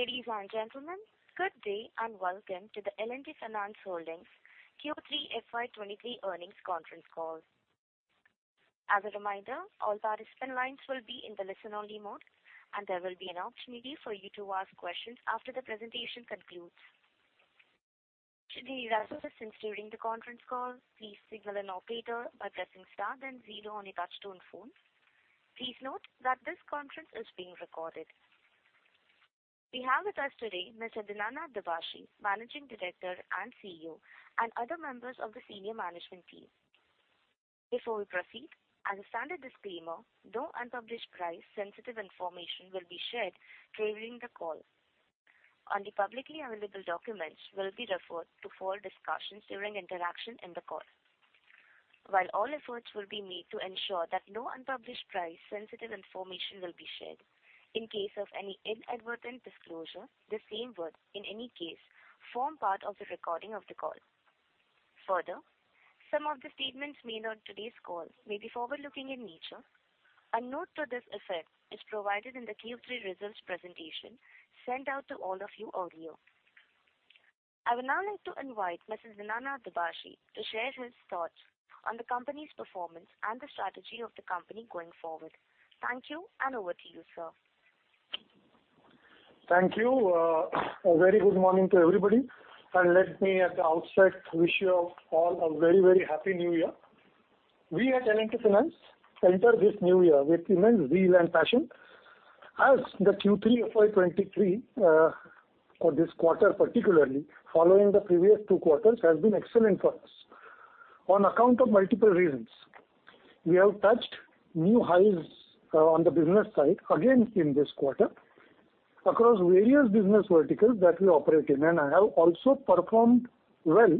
Ladies and gentlemen, good day and welcome to the L&T Finance Holdings Q3 FY2023 earnings conference call. As a reminder, all participant lines will be in the listen-only mode, and there will be an opportunity for you to ask questions after the presentation concludes. Should you require assistance during the conference call, please signal an operator by pressing star then 0 on your touchtone phone. Please note that this conference is being recorded. We have with us today Mr. Dinanath Dubhashi, Managing Director and CEO, and other members of the senior management team. Before we proceed, as a standard disclaimer, no unpublished price sensitive information will be shared during the call. Only publicly available documents will be referred to for discussions during interaction in the call. While all efforts will be made to ensure that no unpublished price sensitive information will be shared, in case of any inadvertent disclosure, the same will, in any case, form part of the recording of the call. Some of the statements made on today's call may be forward-looking in nature. A note to this effect is provided in the Q3 results presentation sent out to all of you earlier. I would now like to invite Mr. Dinanath Dubhashi to share his thoughts on the company's performance and the strategy of the company going forward. Thank you, over to you, sir. Thank you. A very good morning to everybody. Let me at the outset wish you all a very happy new year. We at L&T Finance enter this new year with immense zeal and passion, as the Q3 FY2023 for this quarter particularly, following the previous Q2, has been excellent for us on account of multiple reasons. We have touched new highs on the business side again in this quarter across various business verticals that we operate in, and have also performed well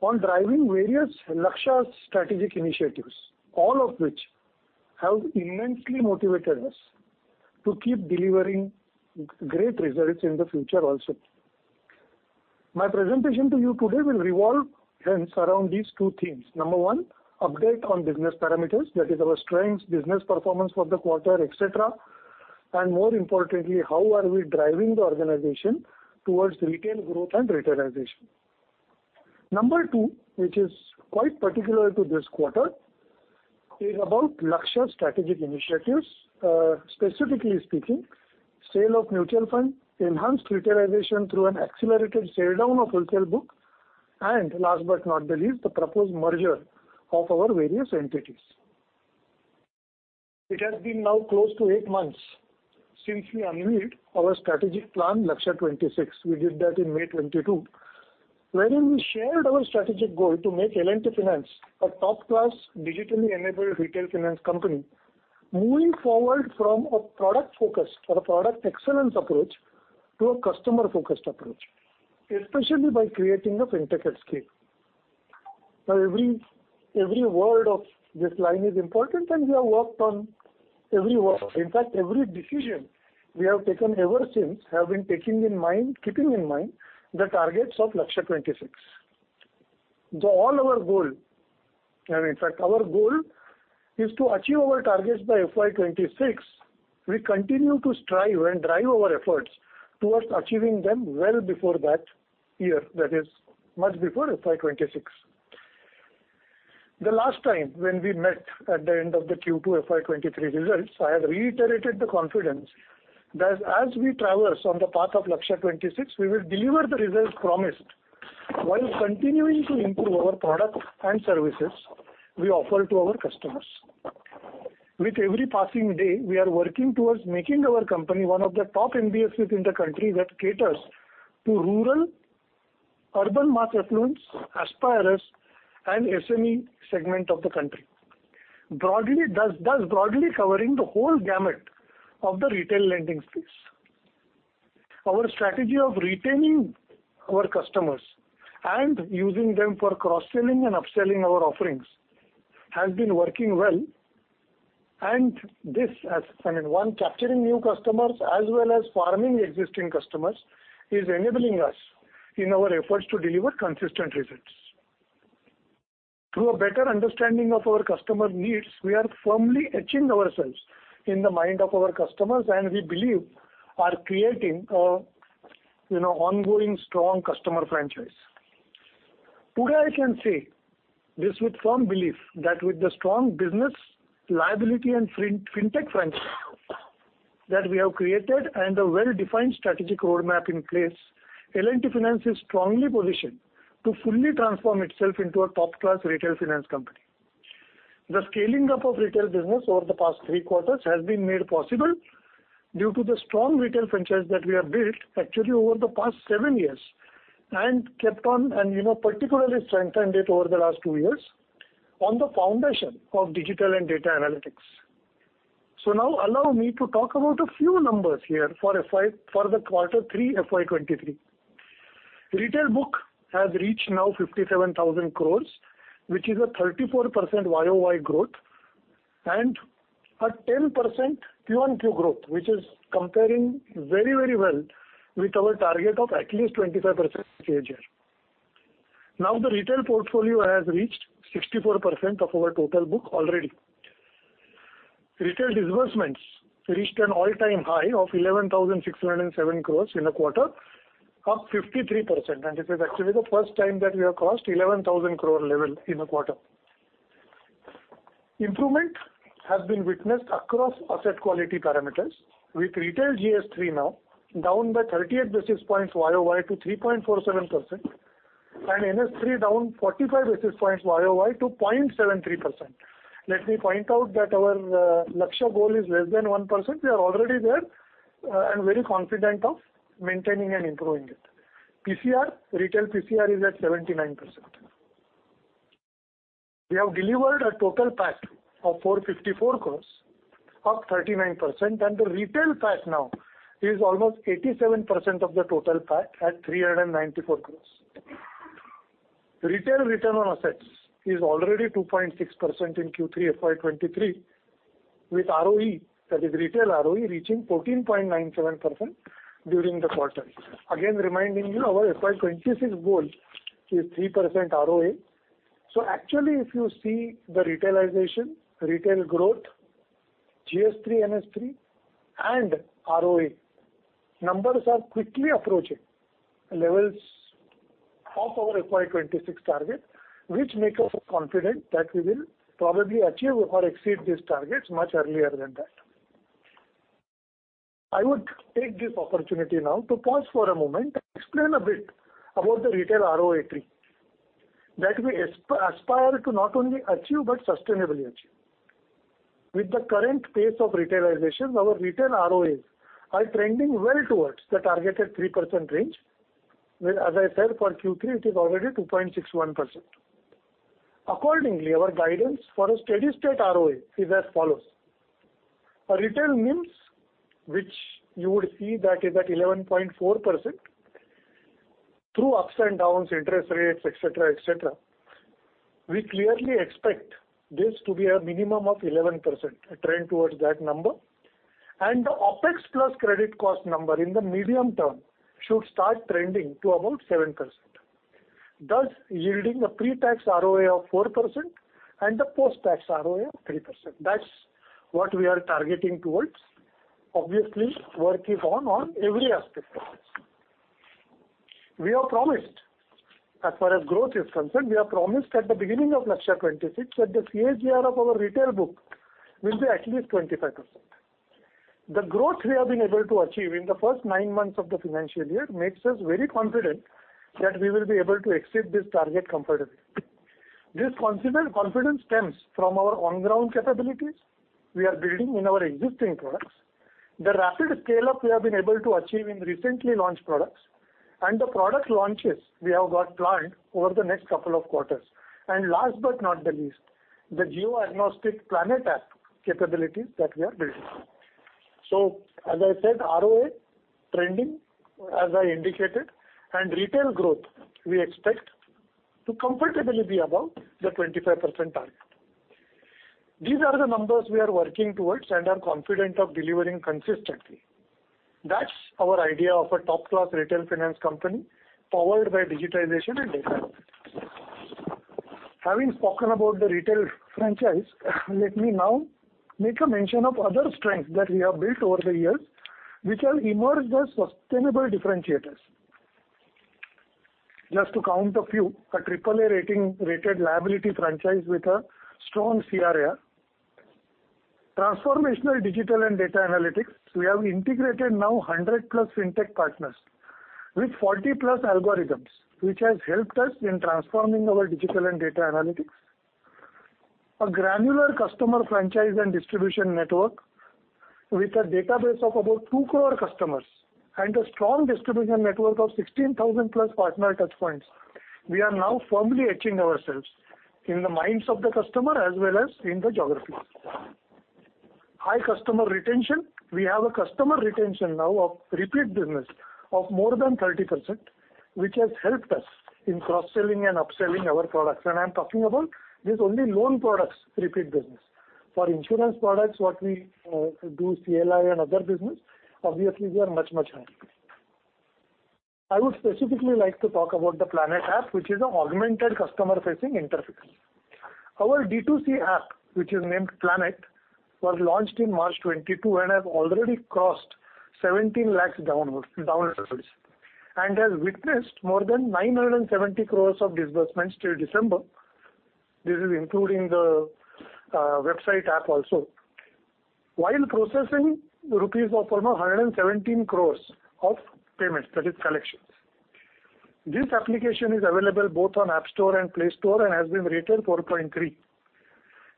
on driving various Lakshya strategic initiatives, all of which have immensely motivated us to keep delivering great results in the future also. My presentation to you today will revolve hence around these two themes. Number one, update on business parameters, that is our strengths, business performance for the quarter, etc., More importantly, how are we driving the organization towards retail growth and retailization. Number two, which is quite particular to this quarter, is about Lakshya strategic initiatives, specifically speaking, sale of mutual funds, enhanced retailization through an accelerated sale down of retail book, Last but not the least, the proposed merger of our various entities. It has been now close to eight months since we unveiled our strategic plan, Lakshya 2026. We did that in May 2022, wherein we shared our strategic goal to make L&T Finance a top-class digitally enabled retail finance company, moving forward from a product focus or a product excellence approach to a customer-focused approach, especially by creating a fintech escape. Every word of this line is important, we have worked on every word. In fact, every decision we have taken ever since have been taking in mind, keeping in mind the targets of Lakshya 2026. All our goal, and in fact our goal is to achieve our targets by FY 2026, we continue to strive and drive our efforts towards achieving them well before that year, that is much before FY 2026. The last time when we met at the end of the Q2 FY 2023 results, I have reiterated the confidence that as we traverse on the path of Lakshya 2026, we will deliver the results promised while continuing to improve our products and services we offer to our customers. With every passing day, we are working towards making our company one of the top NBFCs in the country that caters to rural, urban mass affluents, aspirers, and SME segment of the country. Broadly, thus broadly covering the whole gamut of the retail lending space. Our strategy of retaining our customers and using them for cross-selling and upselling our offerings has been working well. This as, I mean, one, capturing new customers as well as farming existing customers is enabling us in our efforts to deliver consistent results. Through a better understanding of our customer needs, we are firmly etching ourselves in the mind of our customers, and we believe are creating a ongoing strong customer franchise. Today, I can say this with firm belief that with the strong business liability and fintech franchise that we have created and a well-defined strategic roadmap in place, L&T Finance is strongly positioned to fully transform itself into a top-class retail finance company. The scaling up of retail business over the past Q3 has been made possible due to the strong retail franchise that we have built actually over the past seven years and kept on, and, particularly strengthened it over the last two years on the foundation of digital and data analytics. Now allow me to talk about a few numbers here for FY, for the Q3 FY2023. Retail book has reached now 57,000 crores, which is a 34% YoY growth and a 10% QOQ growth, which is comparing very, very well with our target of at least 25% CAGR. The retail portfolio has reached 64% of our total book already. Retail disbursements reached an all-time high of 11,607 crores in a quarter, up 53%, and this is actually the first time that we have crossed 11,000 crore level in a quarter. Improvement has been witnessed across asset quality parameters with retail GS3 now down by 38 basis points YoY to 3.47% and NS3 down 45 basis points YoY to 0.73%. Let me point out that our Lakshya goal is less than 1%. We are already there and very confident of maintaining and improving it. PCR, retail PCR is at 79%. We have delivered a total PAT of 454 crores, up 39%, and the retail PAT now is almost 87% of the total PAT at 394 crores. Retail return on assets is already 2.6% in Q3 FY2023, with ROE, that is retail ROE, reaching 14.97% during the quarter. Reminding you our FY2026 goal is 3% ROA. Actually, if you see the retailization, retail growth, GS3, NS3 and ROA, numbers are quickly approaching levels of our FY2026 target, which make us confident that we will probably achieve or exceed these targets much earlier than that. I would take this opportunity now to pause for a moment and explain a bit about the retail ROA tree that we aspire to not only achieve but sustainably achieve. With the current pace of retailization, our retail ROAs are trending well towards the targeted 3% range, where, as I said, for Q3 it is already 2.61%. Accordingly, our guidance for a steady-state ROA is as follows. A return NIMs which you would see that is at 11.4% through ups and downs, interest rates, et cetera, et cetera. We clearly expect this to be a minimum of 11%, a trend towards that number. The OpEx plus credit cost number in the medium term should start trending to about 7%, thus yielding a pre-tax ROA of 4% and a post-tax ROA of 3%. That's what we are targeting towards. Obviously, work is on on every aspect of this. We have promised, as far as growth is concerned, we have promised at the beginning of Lakshya 2026 that the CAGR of our retail book will be at least 25%. The growth we have been able to achieve in the first 9 months of the financial year makes us very confident that we will be able to exceed this target comfortably. This confidence stems from our on-ground capabilities we are building in our existing products, the rapid scale-up we have been able to achieve in recently launched products, and the product launches we have got planned over the next Q2. Last but not the least, the geo-agnostic PLANET app capabilities that we are building. As I said, ROA trending as I indicated, and retail growth we expect to comfortably be above the 25% target. These are the numbers we are working towards and are confident of delivering consistently. That's our idea of a top-class retail finance company powered by digitization and data. Having spoken about the retail franchise, let me now make a mention of other strengths that we have built over the years which have emerged as sustainable differentiators. Just to count a few, a AAA rating, rated liability franchise with a strong CRA. Transformational digital and data analytics. We have integrated now 100+ fintech partners with 40+ algorithms, which has helped us in transforming our digital and data analytics. A granular customer franchise and distribution network with a database of about 2 crore customers and a strong distribution network of 16,000+ partner touchpoints. We are now firmly etching ourselves in the minds of the customer as well as in the geographies. High customer retention. We have a customer retention now of repeat business of more than 30%, which has helped us in cross-selling and upselling our products. I'm talking about these only loan products repeat business. For insurance products, what we do CLI and other business, obviously we are much, much higher. I would specifically like to talk about the PLANET app, which is an augmented customer-facing interface. Our D2C app, which is named PLANET, was launched in March 2022 and has already crossed 17 lakhs download users and has witnessed more than 970 crores of disbursements till December. This is including the website app also. While processing 117 crores rupees of payments, that is collections. This application is available both on App Store and Play Store and has been rated 4.3.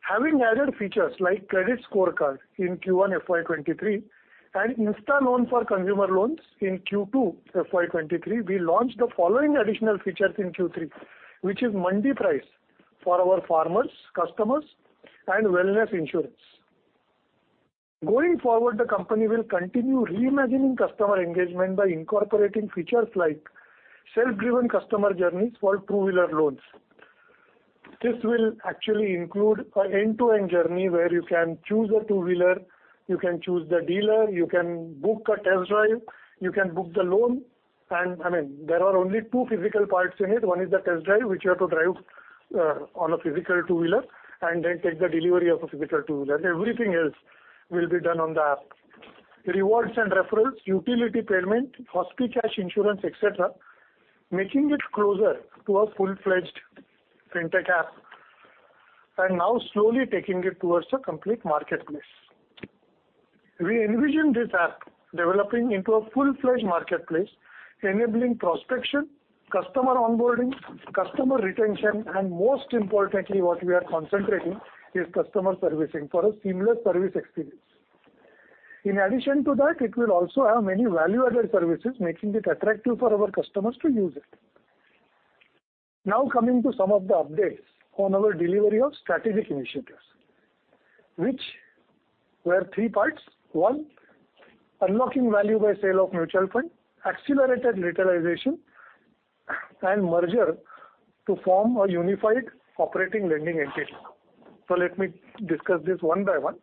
Having added features like credit score card in Q1 FY2023 and Insta Loan for consumer loans in Q2 FY2023, we launched the following additional features in Q3, which is Mandi price for our farmers, customers and wellness insurance. Going forward, the company will continue reimagining customer engagement by incorporating features like self-driven customer journeys for two-wheeler loans. This will actually include an end-to-end journey where you can choose a two-wheeler, you can choose the dealer, you can book a test drive, you can book the loan. I mean, there are only two physical parts in it. One is the test drive, which you have to drive on a physical two-wheeler and then take the delivery of a physical two-wheeler. Everything else will be done on the app. Rewards and referrals, utility payment, HospiCash Insurance, et cetera, making it closer to a full-fledged Fintech app. Now slowly taking it towards a complete marketplace. We envision this app developing into a full-fledged marketplace, enabling prospection, customer onboarding, customer retention, and most importantly, what we are concentrating is customer servicing for a seamless service experience. In addition to that, it will also have many value-added services, making it attractive for our customers to use it. Now coming to some of the updates on our delivery of strategic initiatives, which were three parts. One, unlocking value by sale of mutual fund, accelerated retailization, and merger to form a unified operating lending entity. Let me discuss this one by one.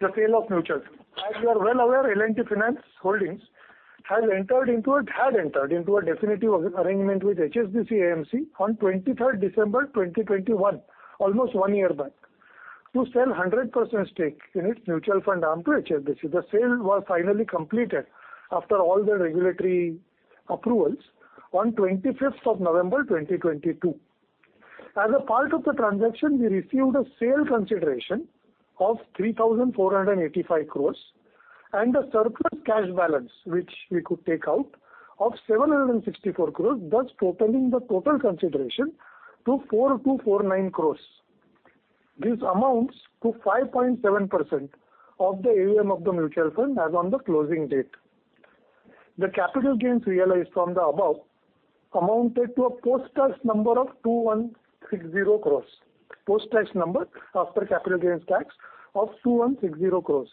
The sale of mutuals. As you are well aware, L&T Finance Holdings had entered into a definitive arrangement with HSBC AMC on 23rd December 2021, almost one year back, to sell 100% stake in its mutual fund arm to HSBC. The sale was finally completed after all the regulatory approvals on 25th of November 2022. As a part of the transaction, we received a sale consideration of 3,485 crores and a surplus cash balance, which we could take out, of 764 crores, thus totaling the total consideration to 4,249 crores. This amounts to 5.7% of the AUM of the mutual fund as on the closing date. The capital gains realized from the above amounted to a post-tax number of 2,160 crores. Post-tax number after capital gains tax of 2,160 crores.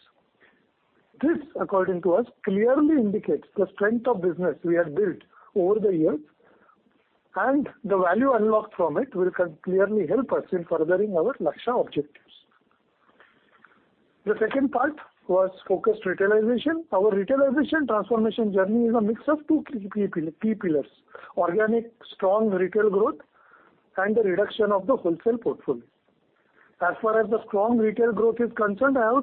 This, according to us, clearly indicates the strength of business we have built over the years, and the value unlocked from it will clearly help us in furthering our Lakshya objectives. The second part was focused retailization. Our retailization transformation journey is a mix of two key pillars: organic strong retail growth and the reduction of the wholesale portfolio. As far as the strong retail growth is concerned, I have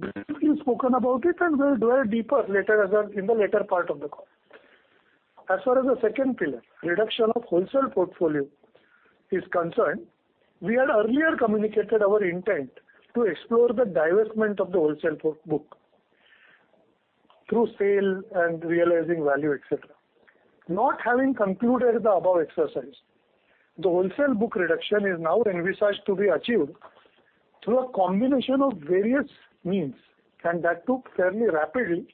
briefly spoken about it, and we'll dwell deeper later in the later part of the call. As far as the second pillar, reduction of wholesale portfolio, is concerned, we had earlier communicated our intent to explore the divestment of the wholesale port-book through sale and realizing value, et cetera. Not having concluded the above exercise, the wholesale book reduction is now envisaged to be achieved through a combination of various means, and that too fairly rapidly,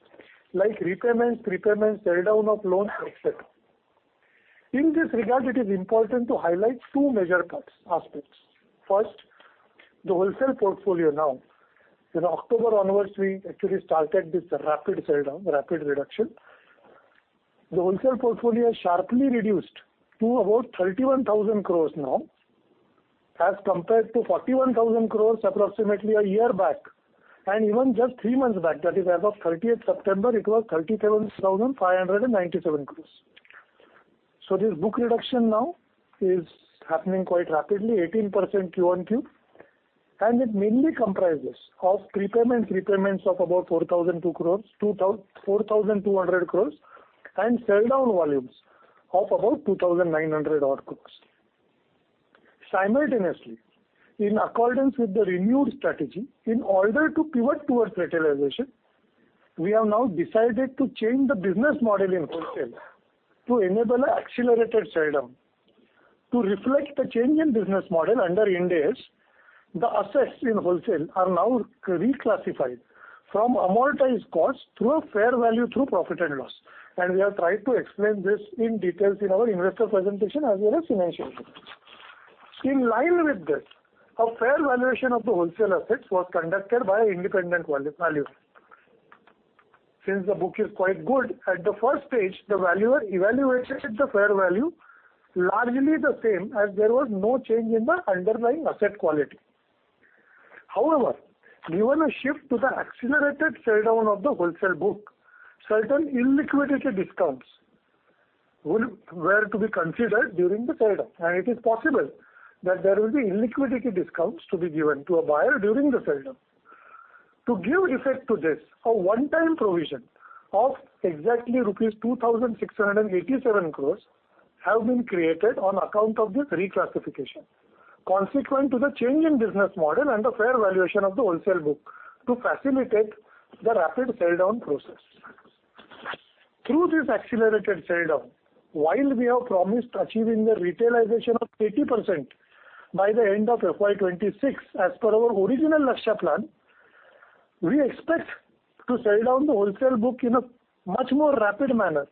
like repayments, prepayments, sell down of loans, et cetera. In this regard, it is important to highlight two major parts, aspects. First, the wholesale portfolio now. In October onwards, we actually started this rapid sell down, rapid reduction. The wholesale portfolio sharply reduced to about 31,000 crores now as compared to 41,000 crores approximately a year back and even just three months back. That is, as of 30th September, it was 37,597 crores. This book reduction now is happening quite rapidly, 18% Q on Q, and it mainly comprises of prepayments, repayments of about 4,002 crores, 4,200 crores, and sell down volumes of about 2,900 odd crores. Simultaneously, in accordance with the renewed strategy, in order to pivot towards retailization, we have now decided to change the business model in wholesale to enable an accelerated sell down. To reflect the change in business model under Ind AS, the assets in wholesale are now reclassified from amortized costs through a fair value through profit and loss. We have tried to explain this in details in our investor presentation as well as financial. In line with this, a fair valuation of the wholesale assets was conducted by independent value-valuers. Since the book is quite good, at the first stage, the valuer evaluated the fair value largely the same as there was no change in the underlying asset quality. However, given a shift to the accelerated sell down of the wholesale book, certain illiquidity discounts were to be considered during the sell down, and it is possible that there will be illiquidity discounts to be given to a buyer during the sell down. To give effect to this, a one-time provision of exactly rupees 2,687 crores have been created on account of this reclassification, consequent to the change in business model and the fair valuation of the wholesale book to facilitate the rapid sell down process. Through this accelerated sell down, while we have promised achieving the retailization of 80% by the end of FY 2026 as per our original Lakshya plan, we expect to sell down the wholesale book in a much more rapid manner,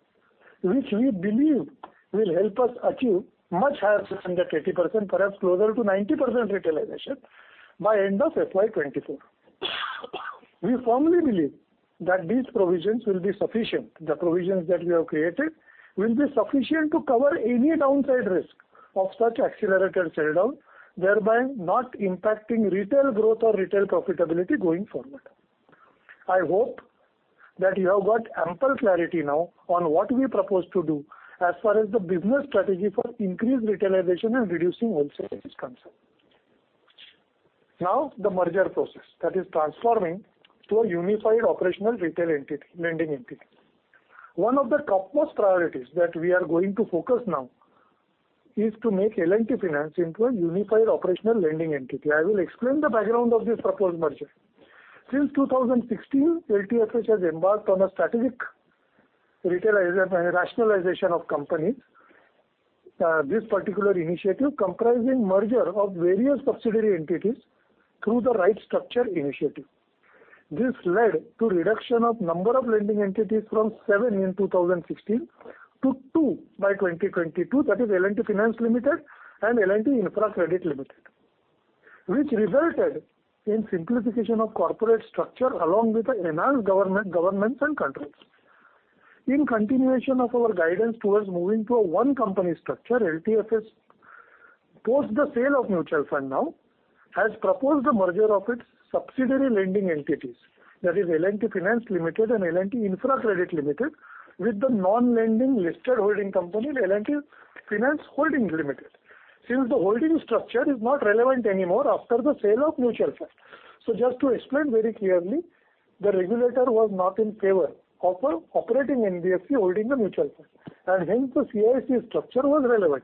which we believe will help us achieve much higher than that 80%, perhaps closer to 90% retailization by end of FY 2024. We firmly believe that these provisions will be sufficient, the provisions that we have created will be sufficient to cover any downside risk of such accelerated sell-down, thereby not impacting retail growth or retail profitability going forward. I hope that you have got ample clarity now on what we propose to do as far as the business strategy for increased retailization and reducing wholesale is concerned. The merger process that is transforming to a unified operational retail entity, lending entity. One of the topmost priorities that we are going to focus now is to make L&T Finance into a unified operational lending entity. I will explain the background of this proposed merger. Since 2016, LTFH has embarked on a strategic rationalization of companies. This particular initiative comprising merger of various subsidiary entities through the right structure initiative. This led to reduction of number of lending entities from seven in 2016 to two by 2022, that is L&T Finance Limited and L&T Infra Credit Limited, which resulted in simplification of corporate structure along with the enhanced governments and controls. In continuation of our guidance towards moving to a one company structure, LTFS, post the sale of mutual fund now, has proposed the merger of its subsidiary lending entities, that is L&T Finance Limited and L&T Infra Credit Limited, with the non-lending listed holding company, L&T Finance Holdings Limited, since the holding structure is not relevant anymore after the sale of mutual fund. Just to explain very clearly, the regulator was not in favor of a operating NBFC holding the mutual fund, and hence the CIC structure was relevant.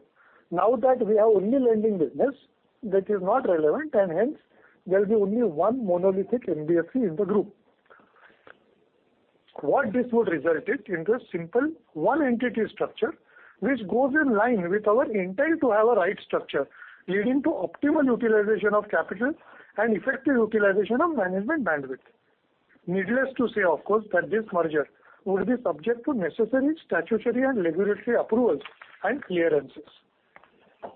Now that we have only lending business, that is not relevant and hence there will be only one monolithic NBFC in the group. What this would result in a simple one entity structure which goes in line with our intent to have a right structure leading to optimal utilization of capital and effective utilization of management bandwidth. Needless to say, of course, that this merger would be subject to necessary statutory and regulatory approvals and clearances.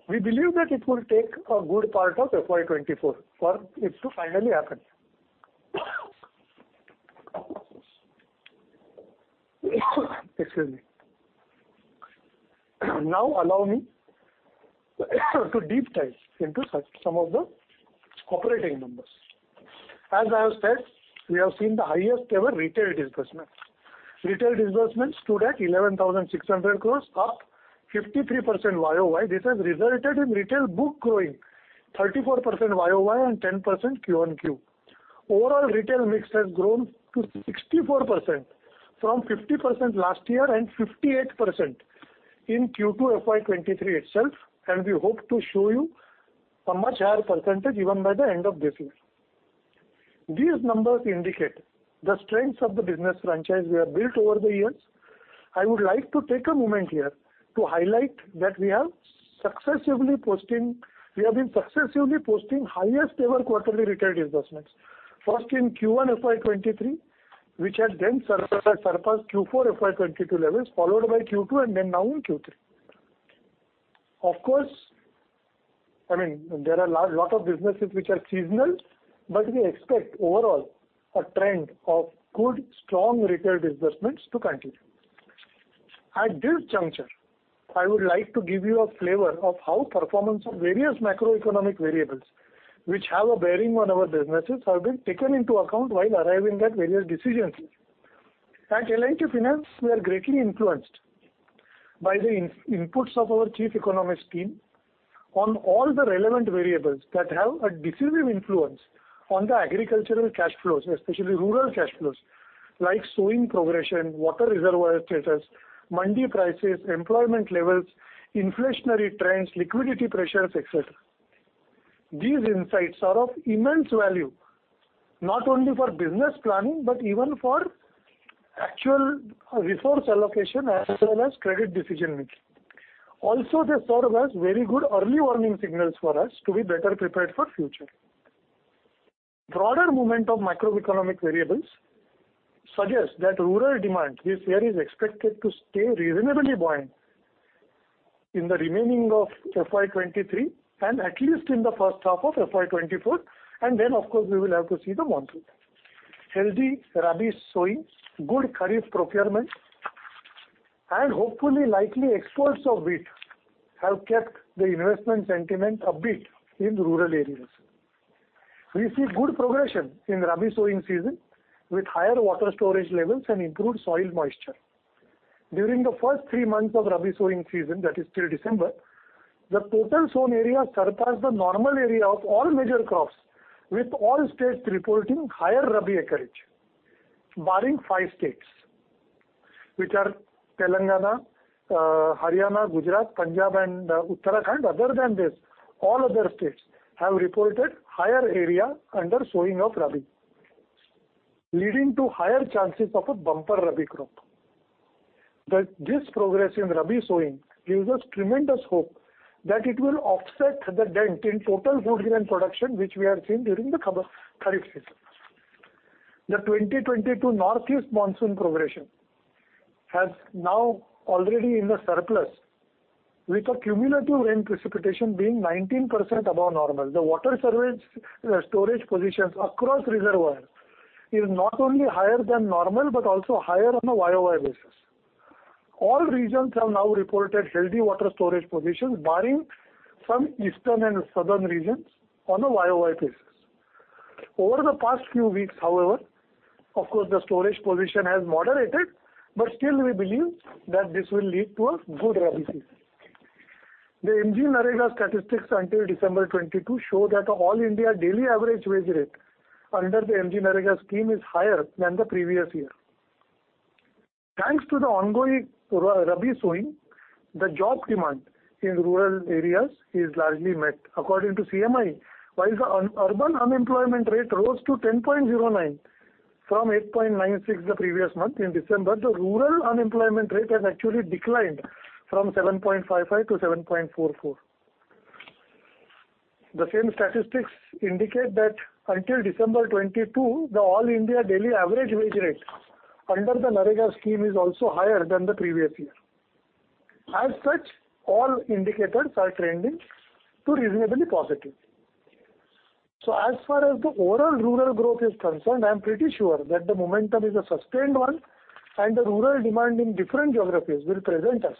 We believe that it will take a good part of FY 2024 for it to finally happen. Excuse me. Allow me to deep dive into some of the operating numbers. We have seen the highest ever retail disbursements. Retail disbursements stood at 11,600 crore, up 53% YOY. This has resulted in retail book growing 34% YOY and 10% Q on Q. Retail mix has grown to 64% from 50% last year and 58% in Q2 FY 2023 itself, and we hope to show you a much higher percentage even by the end of this year. These numbers indicate the strengths of the business franchise we have built over the years. I would like to take a moment here to highlight that We have been successively posting highest ever quarterly retail disbursements. First in Q1 FY2023, which has then surpassed Q4 FY2022 levels, followed by Q2 and then now in Q3. Of course, I mean, there are lot of businesses which are seasonal, but we expect overall a trend of good strong retail disbursements to continue. At this juncture, I would like to give you a flavor of how performance of various macroeconomic variables which have a bearing on our businesses have been taken into account while arriving at various decisions. At L&T Finance, we are greatly influenced by the inputs of our chief economist team on all the relevant variables that have a decisive influence on the agricultural cash flows, especially rural cash flows, like sowing progression, water reservoir status, mandi prices, employment levels, inflationary trends, liquidity pressures, et cetera. These insights are of immense value, not only for business planning, but even for actual resource allocation as well as credit decision making. They serve as very good early warning signals for us to be better prepared for future. Broader movement of macroeconomic variables suggest that rural demand this year is expected to stay reasonably buoyant in the remaining of FY2023 and at least in the H1 of FY2024, and then of course, we will have to see the monsoon. Healthy rabi sowing, good kharif procurement, and hopefully likely exports of wheat have kept the investment sentiment upbeat in rural areas. We see good progression in rabi sowing season with higher water storage levels and improved soil moisture. During the first three months of rabi sowing season, that is till December, the total sown area surpassed the normal area of all major crops, with all states reporting higher rabi acreage, barring five states, which are Telangana, Haryana, Gujarat, Punjab and Uttarakhand. Other than this, all other states have reported higher area under sowing of rabi, leading to higher chances of a bumper rabi crop. This progress in rabi sowing gives us tremendous hope that it will offset the dent in total food grain production, which we have seen during the kharif season. The 2020 to Northeast monsoon progression has now already in the surplus. With a cumulative rain precipitation being 19% above normal, the water surveys, storage positions across reservoirs is not only higher than normal, but also higher on a YOY basis. All regions have now reported healthy water storage positions, barring some eastern and southern regions on a YOY basis. Over the past few weeks, however, of course, the storage position has moderated, but still we believe that this will lead to a good rabi season. The MGNREGA statistics until December 22 show that all India daily average wage rate under the MGNREGA scheme is higher than the previous year. Thanks to the ongoing rabi sowing, the job demand in rural areas is largely met. According to CMI, while the urban unemployment rate rose to 10.09% from 8.96% the previous month in December, the rural unemployment rate has actually declined from 7.55% to 7.44%. The same statistics indicate that until December 2022, the all-India daily average wage rate under the NREGA scheme is also higher than the previous year. As such, all indicators are trending to reasonably positive. As far as the overall rural growth is concerned, I am pretty sure that the momentum is a sustained one, and the rural demand in different geographies will present us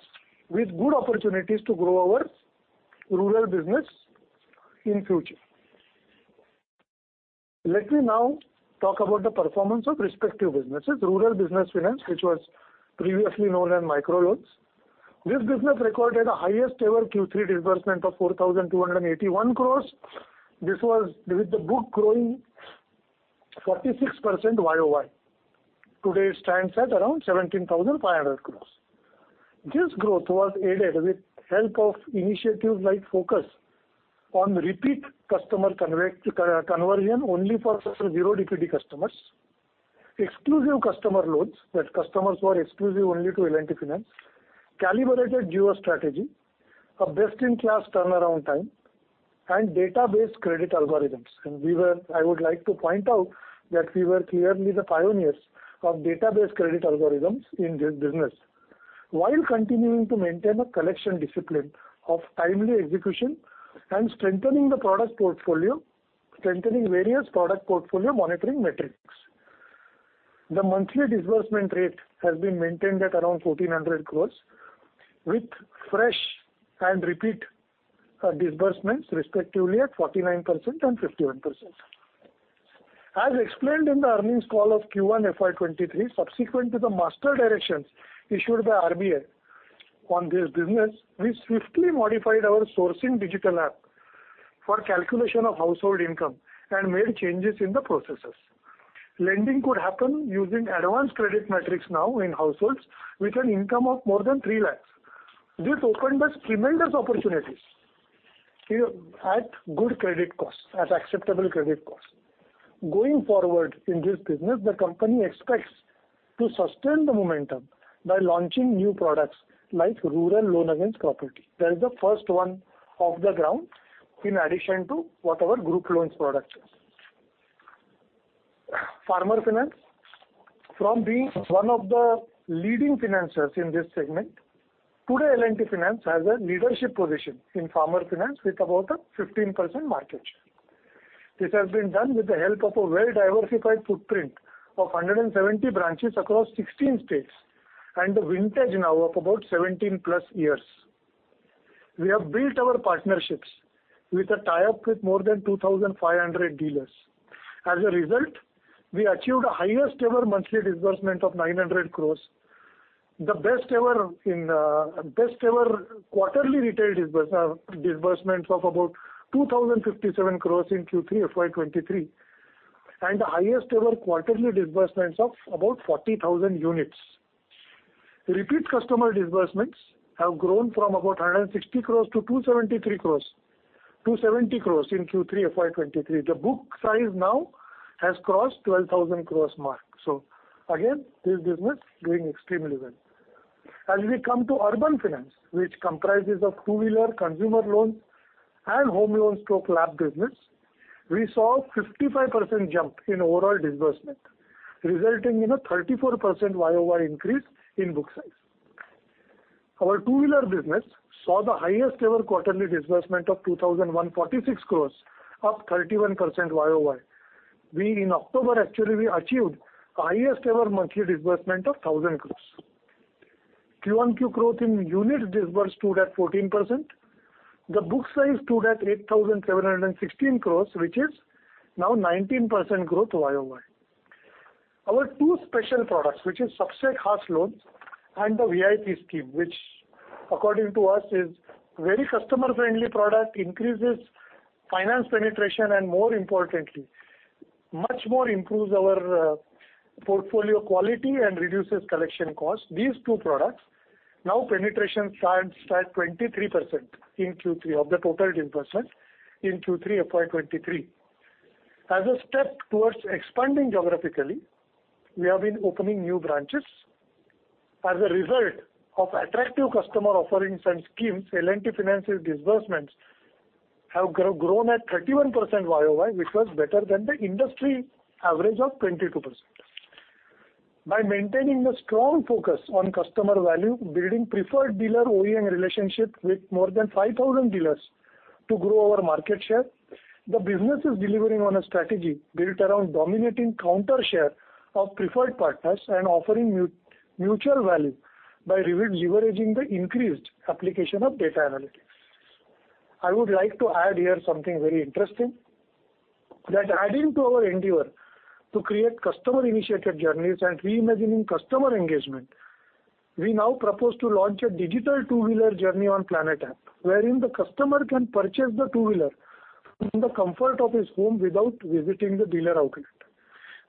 with good opportunities to grow our rural business in future. Let me now talk about the performance of respective businesses. Rural business finance, which was previously known as micro loans. This business recorded the highest ever Q3 disbursement of 4,281 crores. This was with the book growing 46% YOY. Today, it stands at around 17,500 crores. This growth was aided with help of initiatives like focus on repeat customer conversion only for 0 DPD customers, exclusive customer loans that customers who are exclusive only to L&T Finance, calibrated geo strategy, a best-in-class turnaround time, and database credit algorithms. I would like to point out that we were clearly the pioneers of database credit algorithms in this business. While continuing to maintain a collection discipline of timely execution and strengthening the product portfolio, strengthening various product portfolio monitoring metrics. The monthly disbursement rate has been maintained at around 1,400 crores, with fresh and repeat disbursements, respectively, at 49% and 51%. As explained in the earnings call of Q1 FY2023, subsequent to the master directions issued by RBI on this business, we swiftly modified our sourcing digital app for calculation of household income and made changes in the processes. Lending could happen using advanced credit metrics now in households with an income of more than 3 lakhs. This opened us tremendous opportunities here at good credit costs, at acceptable credit costs. Going forward in this business, the company expects to sustain the momentum by launching new products like rural Loan Against Property. That is the first one off the ground in addition to what our group loans product is. Farmer finance. From being one of the leading financers in this segment, today, L&T Finance has a leadership position in Farmer finance with about a 15% market share. This has been done with the help of a well-diversified footprint of 170 branches across 16 states and a vintage now of about 17+ years. We have built our partnerships with a tie-up with more than 2,500 dealers. We achieved the highest ever monthly disbursement of 900 crores, the best ever quarterly retail disbursement of about 2,057 crores in Q3 FY 2023, and the highest ever quarterly disbursements of about 40,000 units. Repeat customer disbursements have grown from about 160 crores to 273 crores, 270 crores in Q3 FY 2023. The book size now has crossed 12,000 crores mark. This business doing extremely well. As we come to urban finance, which comprises of two-wheeler consumer loans and home loans through LAP business, we saw a 55% jump in overall disbursement, resulting in a 34% YOY increase in book size. Our two-wheeler business saw the highest ever quarterly disbursement of 2,146 crores, up 31% YOY. We, in October, actually achieved the highest ever monthly disbursement of 1,000 crores. Q1Q growth in unit disbursed stood at 14%. The book size stood at 8,716 crores, which is now 19% growth YOY. Our two special products, which is Sahayata loans and the VIP scheme, which according to us is very customer-friendly product, increases finance penetration, and more importantly, much more improves our portfolio quality and reduces collection costs. These two products now penetration stands at 23% in Q3 of the total disbursements in Q3 FY 2023. As a step towards expanding geographically, we have been opening new branches. As a result of attractive customer offerings and schemes, L&T Finance's disbursements have grown at 31% YOY, which was better than the industry average of 22%. Maintaining a strong focus on customer value, building preferred dealer OEM relationships with more than 5,000 dealers to grow our market share, the business is delivering on a strategy built around dominating counter share of preferred partners and offering mutual value by leveraging the increased application of data analytics. I would like to add here something very interesting, that adding to our endeavor to create customer-initiated journeys and reimagining customer engagement, we now propose to launch a digital two-wheeler journey on PLANET app, wherein the customer can purchase the two-wheeler from the comfort of his home without visiting the dealer outlet.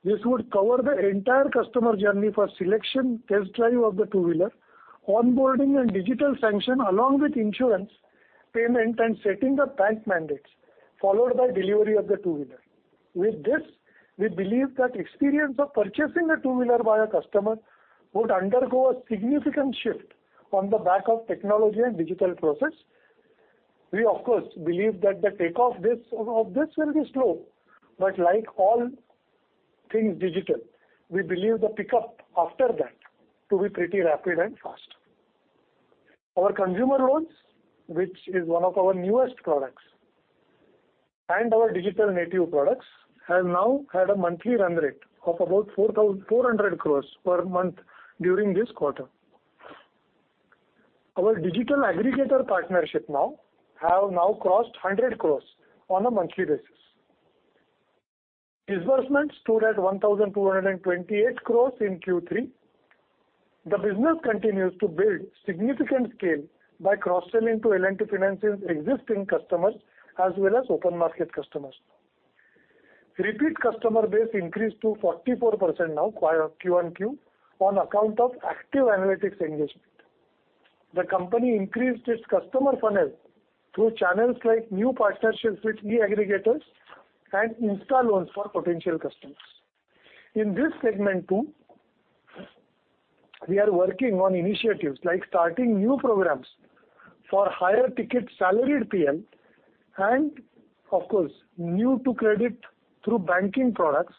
This would cover the entire customer journey for selection, test drive of the two-wheeler, onboarding and digital sanction, along with insurance, payment, and setting the bank mandates, followed by delivery of the two-wheeler. With this, we believe that experience of purchasing a two-wheeler by a customer would undergo a significant shift on the back of technology and digital process. We of course, believe that the takeoff of this will be slow. Like all things digital, we believe the pickup after that to be pretty rapid and fast. Our consumer loans, which is one of our newest products, and our digital native products have now had a monthly run rate of about 400 crores per month during this quarter. Our digital aggregator partnership now crossed 100 crores on a monthly basis. Disbursement stood at 1,228 crores in Q3. The business continues to build significant scale by cross-selling to L&T Finance's existing customers, as well as open market customers. Repeat customer base increased to 44% now Q on Q on account of active analytics engagement. The company increased its customer funnel through channels like new partnerships with e-aggregators and Insta Loans for potential customers. In this segment too, we are working on initiatives like starting new programs for higher ticket salaried PM and of course, new to credit through banking products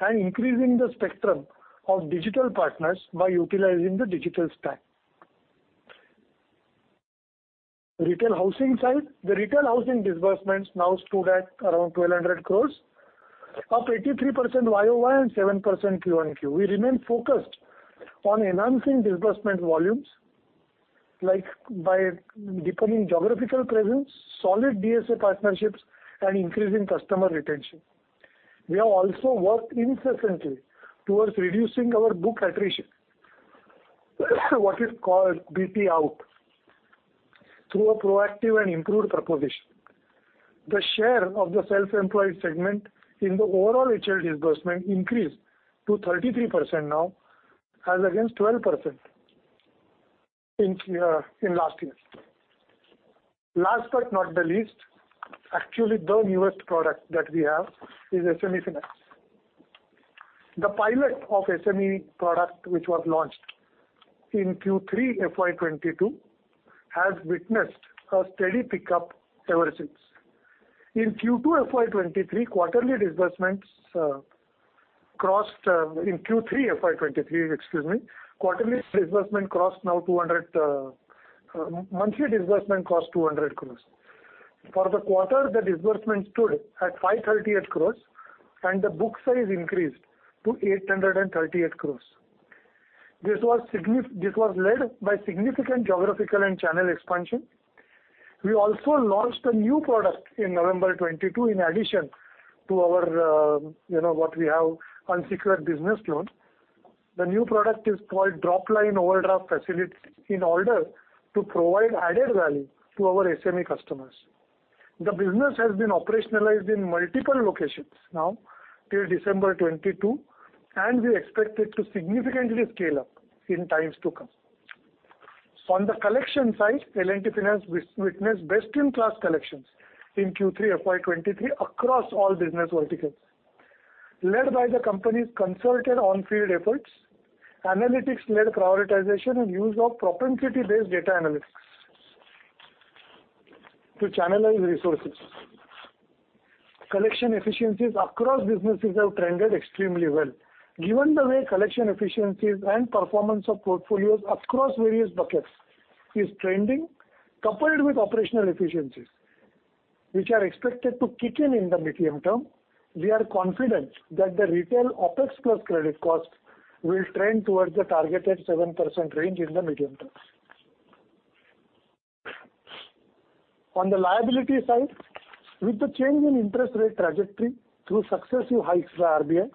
and increasing the spectrum of digital partners by utilizing the digital stack. Retail housing side. The retail housing disbursements now stood at around 1,200 crore, up 83% YOY and 7% Q on Q. We remain focused on enhancing disbursement volumes, like by deepening geographical presence, solid DSA partnerships, and increasing customer retention. We have also worked incessantly towards reducing our book attrition, what is called BT out, through a proactive and improved proposition. The share of the self-employed segment in the overall HLD disbursement increased to 33% now, as against 12% in last year. Last but not the least, actually the newest product that we have is SME Finance. The pilot of SME product which was launched in Q3 FY2022, has witnessed a steady pickup ever since. In Q3 FY2023, excuse me, quarterly disbursement crossed now 200, monthly disbursement cost 200 crores. For the quarter, the disbursement stood at 538 crores, and the book size increased to 838 crores. This was led by significant geographical and channel expansion. We also launched a new product in November 2022, in addition to our what we have unsecured business loans. The new product is called Dropline Overdraft Facility in order to provide added value to our SME customers. The business has been operationalized in multiple locations now till December 2022, and we expect it to significantly scale up in times to come. On the collection side, L&T Finance witnessed best-in-class collections in Q3 FY2023 across all business verticals, led by the company's concerted on-field efforts, analytics-led prioritization, and use of propensity-based data analytics to channelize resources. Collection efficiencies across businesses have trended extremely well. Given the way collection efficiencies and performance of portfolios across various buckets is trending, coupled with operational efficiencies, which are expected to kick in in the medium term, we are confident that the retail OpEx plus credit cost will trend towards the targeted 7% range in the medium term. On the liability side, with the change in interest rate trajectory through successive hikes by RBI,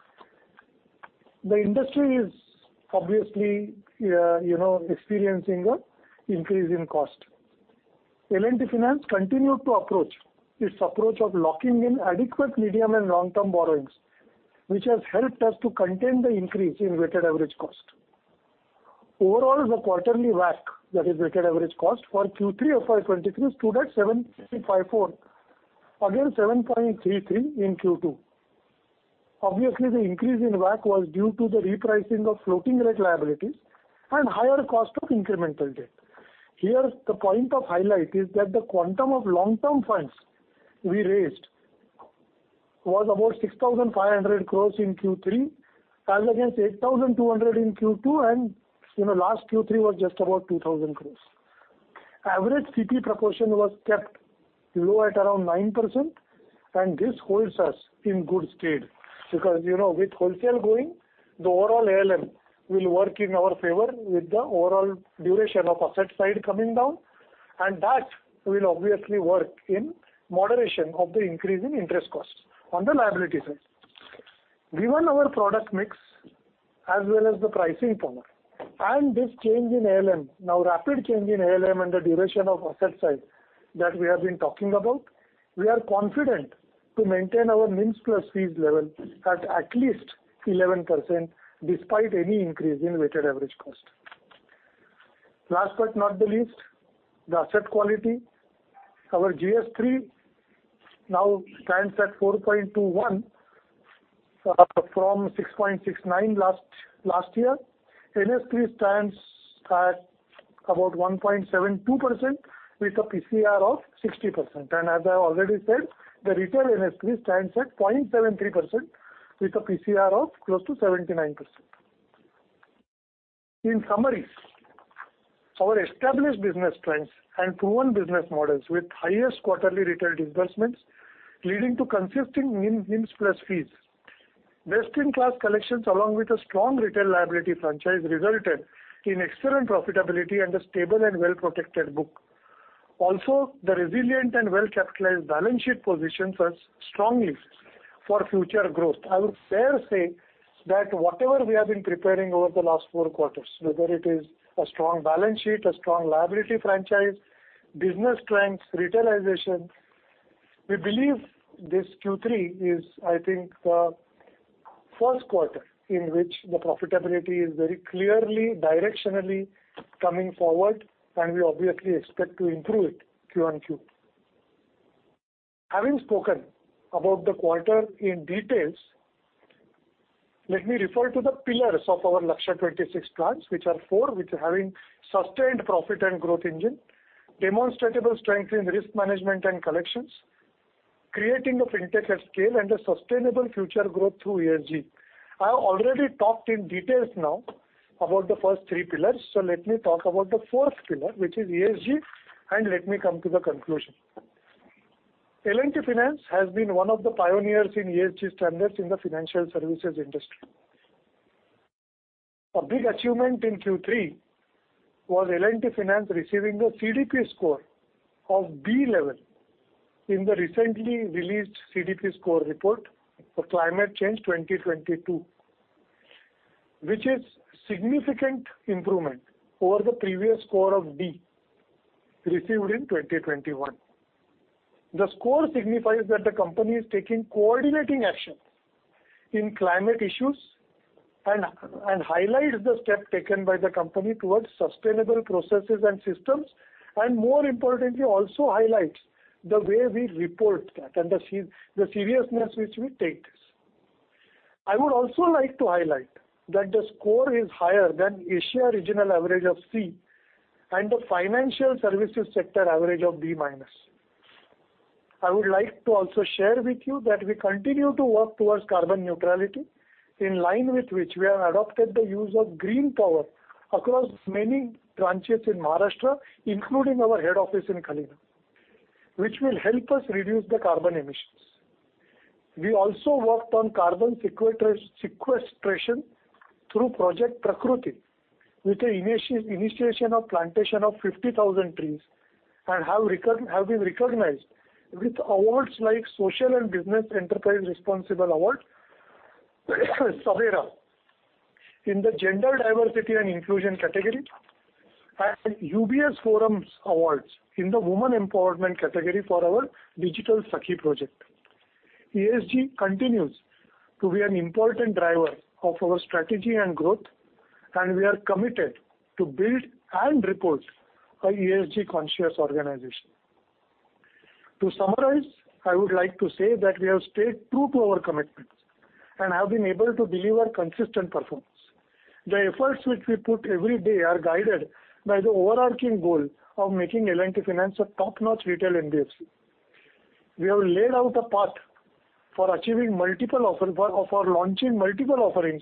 the industry is obviously experiencing a increase in cost. L&T Finance continued to approach its approach of locking in adequate medium and long-term borrowings, which has helped us to contain the increase in weighted average cost. Overall, the quarterly WAC, that is weighted average cost, for Q3 FY2023 stood at 7.54, against 7.33 in Q2. Obviously, the increase in WAC was due to the repricing of floating rate liabilities and higher cost of incremental debt. Here, the point of highlight is that the quantum of long-term funds we raised was about 6,500 crore in Q3, as against 8,200 in Q2, and last Q3 was just about 2,000 crore. Average CP proportion was kept low at around 9%, and this holds us in good stead because with wholesale going, the overall ALM will work in our favor with the overall duration of asset side coming down, and that will obviously work in moderation of the increase in interest costs on the liability side. Given our product mix as well as the pricing power and this change in ALM, now rapid change in ALM and the duration of asset side that we have been talking about, we are confident to maintain our NIMs plus fees level at least 11% despite any increase in weighted average cost. Last but not the least, the asset quality. Our GS3 now stands at 4.21 from 6.69 last year. NSP stands at about 1.72% with a PCR of 60%. As I have already said, the retail NSP stands at 0.73% with a PCR of close to 79%. In summary, our established business strengths and proven business models with highest quarterly retail disbursements leading to consistent NIM, NIMs plus fees. Best-in-class collections along with a strong retail liability franchise resulted in excellent profitability and a stable and well-protected book. The resilient and well-capitalized balance sheet positions us strongly for future growth. I would fair say that whatever we have been preparing over the last Q4, whether it is a strong balance sheet, a strong liability franchise, business strengths, retailization, we believe this Q3 is, I think, the Q1 in which the profitability is very clearly directionally coming forward, and we obviously expect to improve it Q on Q. Having spoken about the quarter in detail, let me refer to the pillars of our Lakshya 2026 plans, which are four, which are having sustained profit and growth engine, demonstrable strength in risk management and collections, creating of fintech at scale, and a sustainable future growth through ESG. I have already talked in details now about the first three pillars. Let me talk about the fourth pillar, which is ESG, and let me come to the conclusion. L&T Finance has been one of the pioneers in ESG standards in the financial services industry. A big achievement in Q3 was L&T Finance receiving a CDP score of B level in the recently released CDP score report for Climate Change 2022, which is significant improvement over the previous score of D received in 2021. The score signifies that the company is taking coordinating action in climate issues and highlights the step taken by the company towards sustainable processes and systems, and more importantly, also highlights the way we report that and the seriousness which we take this. I would also like to highlight that the score is higher than Asia regional average of C and the financial services sector average of B minus. I would like to also share with you that we continue to work towards carbon neutrality, in line with which we have adopted the use of green power across many branches in Maharashtra, including our head office in Kharadi, which will help us reduce the carbon emissions. We also worked on carbon sequestration through Project Prakriti with the initiation of plantation of 50,000 trees and have been recognized with awards like Social and Business Enterprise Responsible Award, SABERA, in the Gender Diversity and Inclusion category, and UBS Forums Awards in the Women Empowerment category for our Digital Sakhi project. ESG continues to be an important driver of our strategy and growth, we are committed to build and report a ESG conscious organization. To summarize, I would like to say that we have stayed true to our commitments and have been able to deliver consistent performance. The efforts which we put every day are guided by the overarching goal of making L&T Finance a top-notch retail NBFC. We have laid out a path for achieving multiple offerings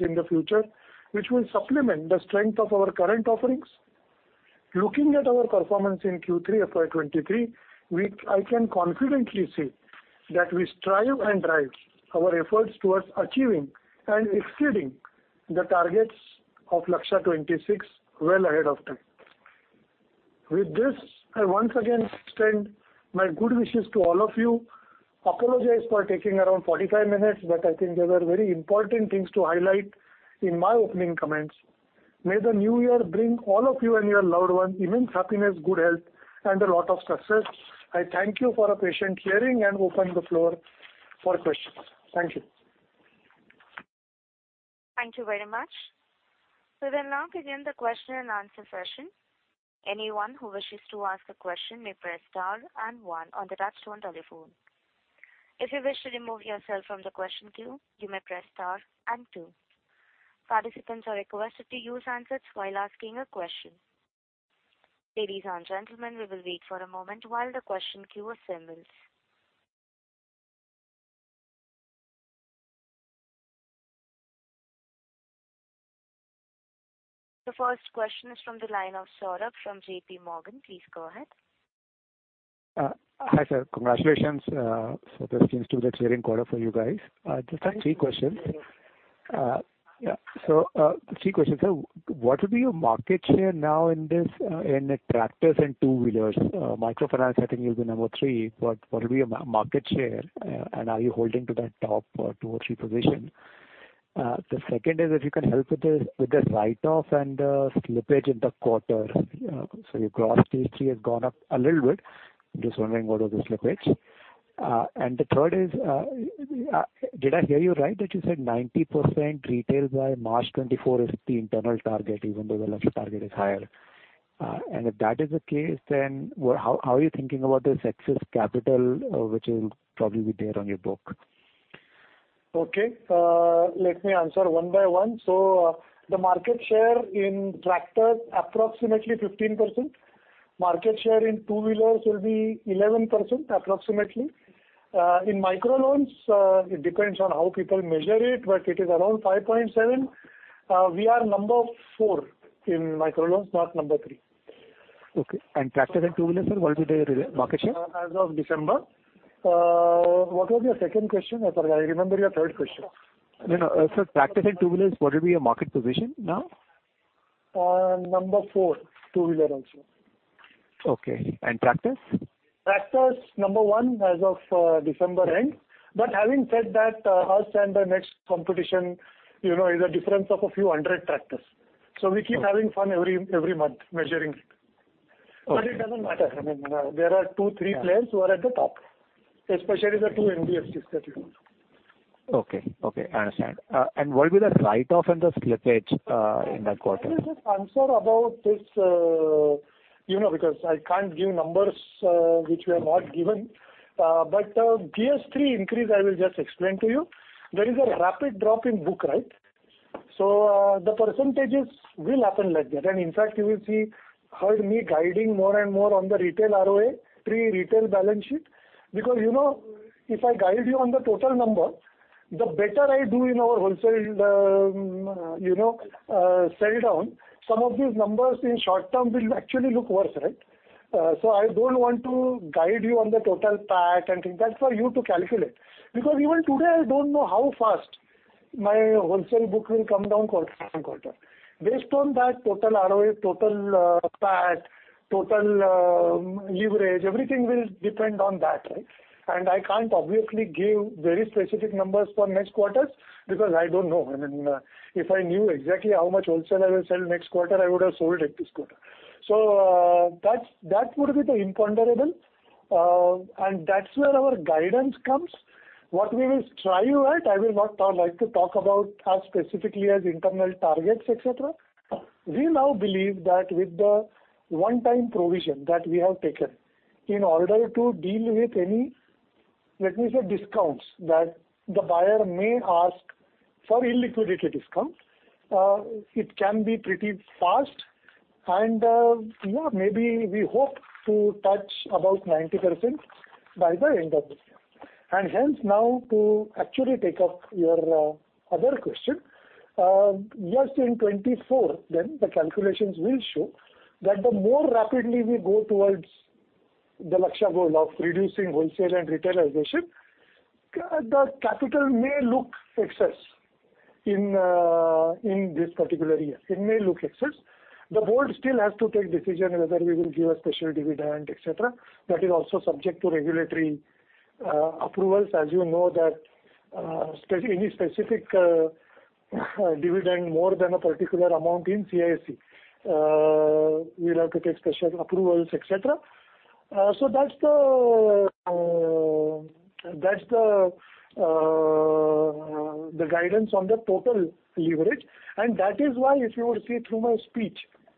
in the future, which will supplement the strength of our current offerings. Looking at our performance in Q3 of FY 2023, I can confidently say that we strive and drive our efforts towards achieving and exceeding the targets of Lakshya 2026 well ahead of time. With this, I once again extend my good wishes to all of you. Apologize for taking around 45 minutes, but I think there were very important things to highlight in my opening comments. May the new year bring all of you and your loved ones immense happiness, good health, and a lot of success. I thank you for a patient hearing and open the floor for questions. Thank you. Thank you very much. We will now begin the question and answer session. Anyone who wishes to ask a question may press star and one on the touchtone telephone. If you wish to remove yourself from the question queue, you may press star and two. Participants are requested to use answers while asking a question. Ladies and gentlemen, we will wait for a moment while the question queue assembles. The first question is from the line of Saurabh from JPMorgan. Please go ahead. Hi, sir. Congratulations. This seems to be a cheering quarter for you guys. Thank you. Just have three questions. Three questions. What would be your market share now in this, in tractors and two-wheelers? Microfinance, I think you'll be number three, but what will be your market share, and are you holding to that top, two or three position? The second is if you can help with the write-off and slippage in the quarter. Your Gross Stage three has gone up a little bit. I'm just wondering what are the slippage. The third is, did I hear you right that you said 90% retail by March 2024 is the internal target even though the Lakshya target is higher? If that is the case, then well how are you thinking about this excess capital, which will probably be there on your book? Okay. Let me answer one by one. The market share in tractors approximately 15%. Market share in two-wheelers will be 11% approximately. In micro loans, it depends on how people measure it, but it is around 5.7. We are number four in micro loans, not number three. Okay. Tractors and two-wheelers, sir, what would be their market share? As of December... What was your second question? I forgot. I remember your third question. No, no. Tractors and two-wheelers, what would be your market position now? number 4, two-wheeler also. Okay. Tractors? Tractors, number one as of December end. Having said that, us and the next competition is a difference of a few hundred tractors. We keep having fun every month measuring it. Okay. It doesn't matter. I mean, there are two, three players who are at the top, especially the two NBFCs that. Okay. Okay, I understand. What will the write-off and the slippage in that quarter? Let me just answer about this because I can't give numbers which we have not given. GS3 increase, I will just explain to you. There is a rapid drop in book write. The % will happen like that. In fact, you will see heard me guiding more and more on the retail ROA, pre-retail balance sheet., if I guide you on the total number, the better I do in our wholesale, sell down, some of these numbers in short term will actually look worse, right? I don't want to guide you on the total PAT and things. That's for you to calculate. Even today, I don't know how fast my wholesale book will come down quarter-from-quarter. Based on that total ROA, total PAT, total leverage, everything will depend on that, right? I can't obviously give very specific numbers for next quarters because I don't know. I mean, if I knew exactly how much wholesale I will sell next quarter, I would have sold it this quarter. That's, that would be the imponderable. That's where our guidance comes. What we will strive at, I will not like to talk about as specifically as internal targets, et cetera. We now believe that with the one-time provision that we have taken in order to deal with any, let me say, discounts that the buyer may ask for illiquidity discount, it can be pretty fast and maybe we hope to touch about 90% by the end of this year. Hence now to actually take up your other question. In 2024 then the calculations will show that the more rapidly we go towards the Lakshya goal of reducing wholesale and retailization, the capital may look excess in this particular year. It may look excess. The board still has to take decision whether we will give a special dividend, et cetera. That is also subject to regulatory approvals. As that any specific dividend more than a particular amount in CIC, we'll have to take special approvals, et cetera. So that's the that's the the guidance on the total leverage. That is why if you would see through my speech,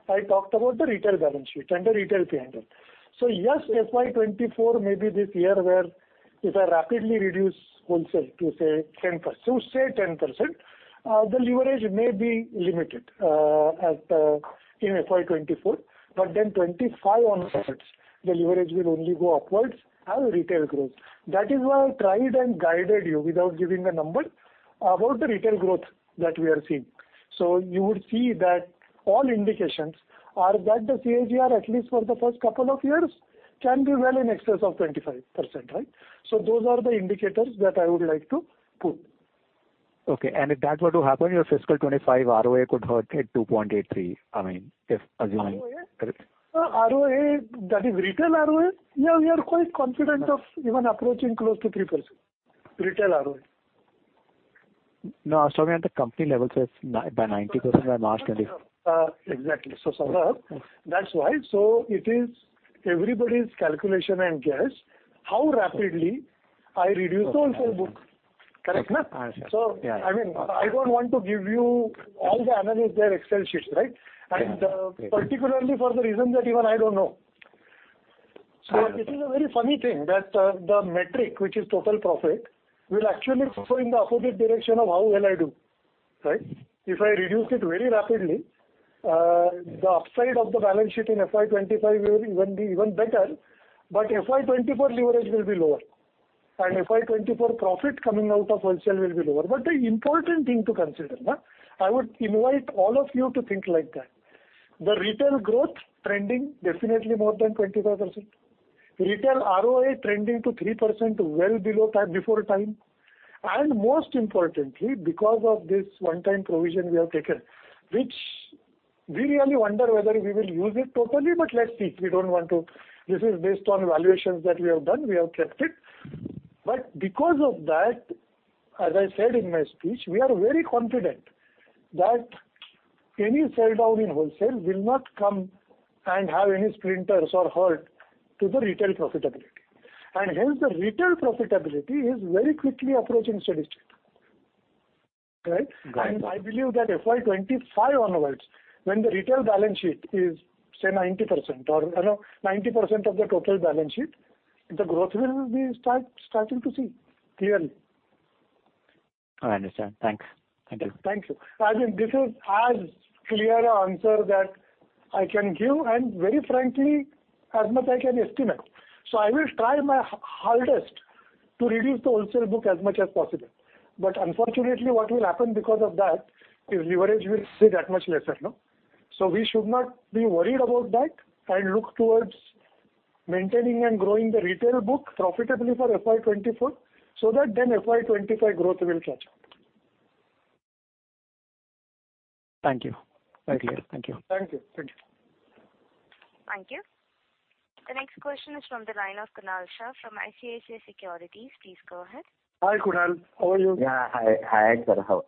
I talked about the retail balance sheet and the retail P&L. Yes, FY 2024 maybe this year where if I rapidly reduce wholesale to say 10%, the leverage may be limited at in FY 2024. Then 2025 onwards, the leverage will only go upwards as retail grows. That is why I tried and guided you without giving a number about the retail growth that we are seeing. You would see that all indications are that the CAGR at least for the first couple of years can be well in excess of 25%, right? Those are the indicators that I would like to put. Okay. If that were to happen, your fiscal 25 ROA could have hit 2.83%, I mean. ROA? ROA, that is retail ROA? Yeah, we are quite confident of even approaching close to 3% retail ROA. No, I was talking at the company level, sir. By 90% by March 2024. Exactly. Saurabh, that's why. It is everybody's calculation and guess how rapidly I reduce the wholesale book. Correct, na? sure. Yeah. I mean, I don't want to give you all the analysts their Excel sheets, right? Right. Okay. Particularly for the reason that even I don't know. This is a very funny thing, that the metric which is total profit will actually go in the opposite direction of how well I do, right? If I reduce it very rapidly, the upside of the balance sheet in FY 2025 will even be better, but FY 2024 leverage will be lower, and FY 2024 profit coming out of wholesale will be lower. The important thing to consider, I would invite all of you to think like that. The retail growth trending definitely more than 25%. Retail ROA trending to 3%, well before time. Most importantly, because of this one-time provision we have taken, which we really wonder whether we will use it totally, but let's see. We don't want to... This is based on evaluations that we have done, we have kept it. Because of that, as I said in my speech, we are very confident that any sell down in wholesale will not come and have any splinters or hurt to the retail profitability. Hence, the retail profitability is very quickly approaching steady state. Right? Got it. I believe that FY 2025 onwards, when the retail balance sheet is, say, 90% or 90% of the total balance sheet, the growth will be starting to see clearly. I understand. Thanks. Thank you. Thank you. I mean, this is as clear answer that I can give. Very frankly, as much I can estimate. I will try my hardest to reduce the wholesale book as much as possible. Unfortunately, what will happen because of that is leverage will stay that much lesser, no? We should not be worried about that and look towards maintaining and growing the retail book profitably for FY 2024, so that FY 2025 growth will catch up. Thank you. Very clear. Thank you. Thank you. Thank you. Thank you. The next question is from the line of Kunal Shah from ICICI Securities. Please go ahead. Hi, Kunal. How are you? Hi, sir. How?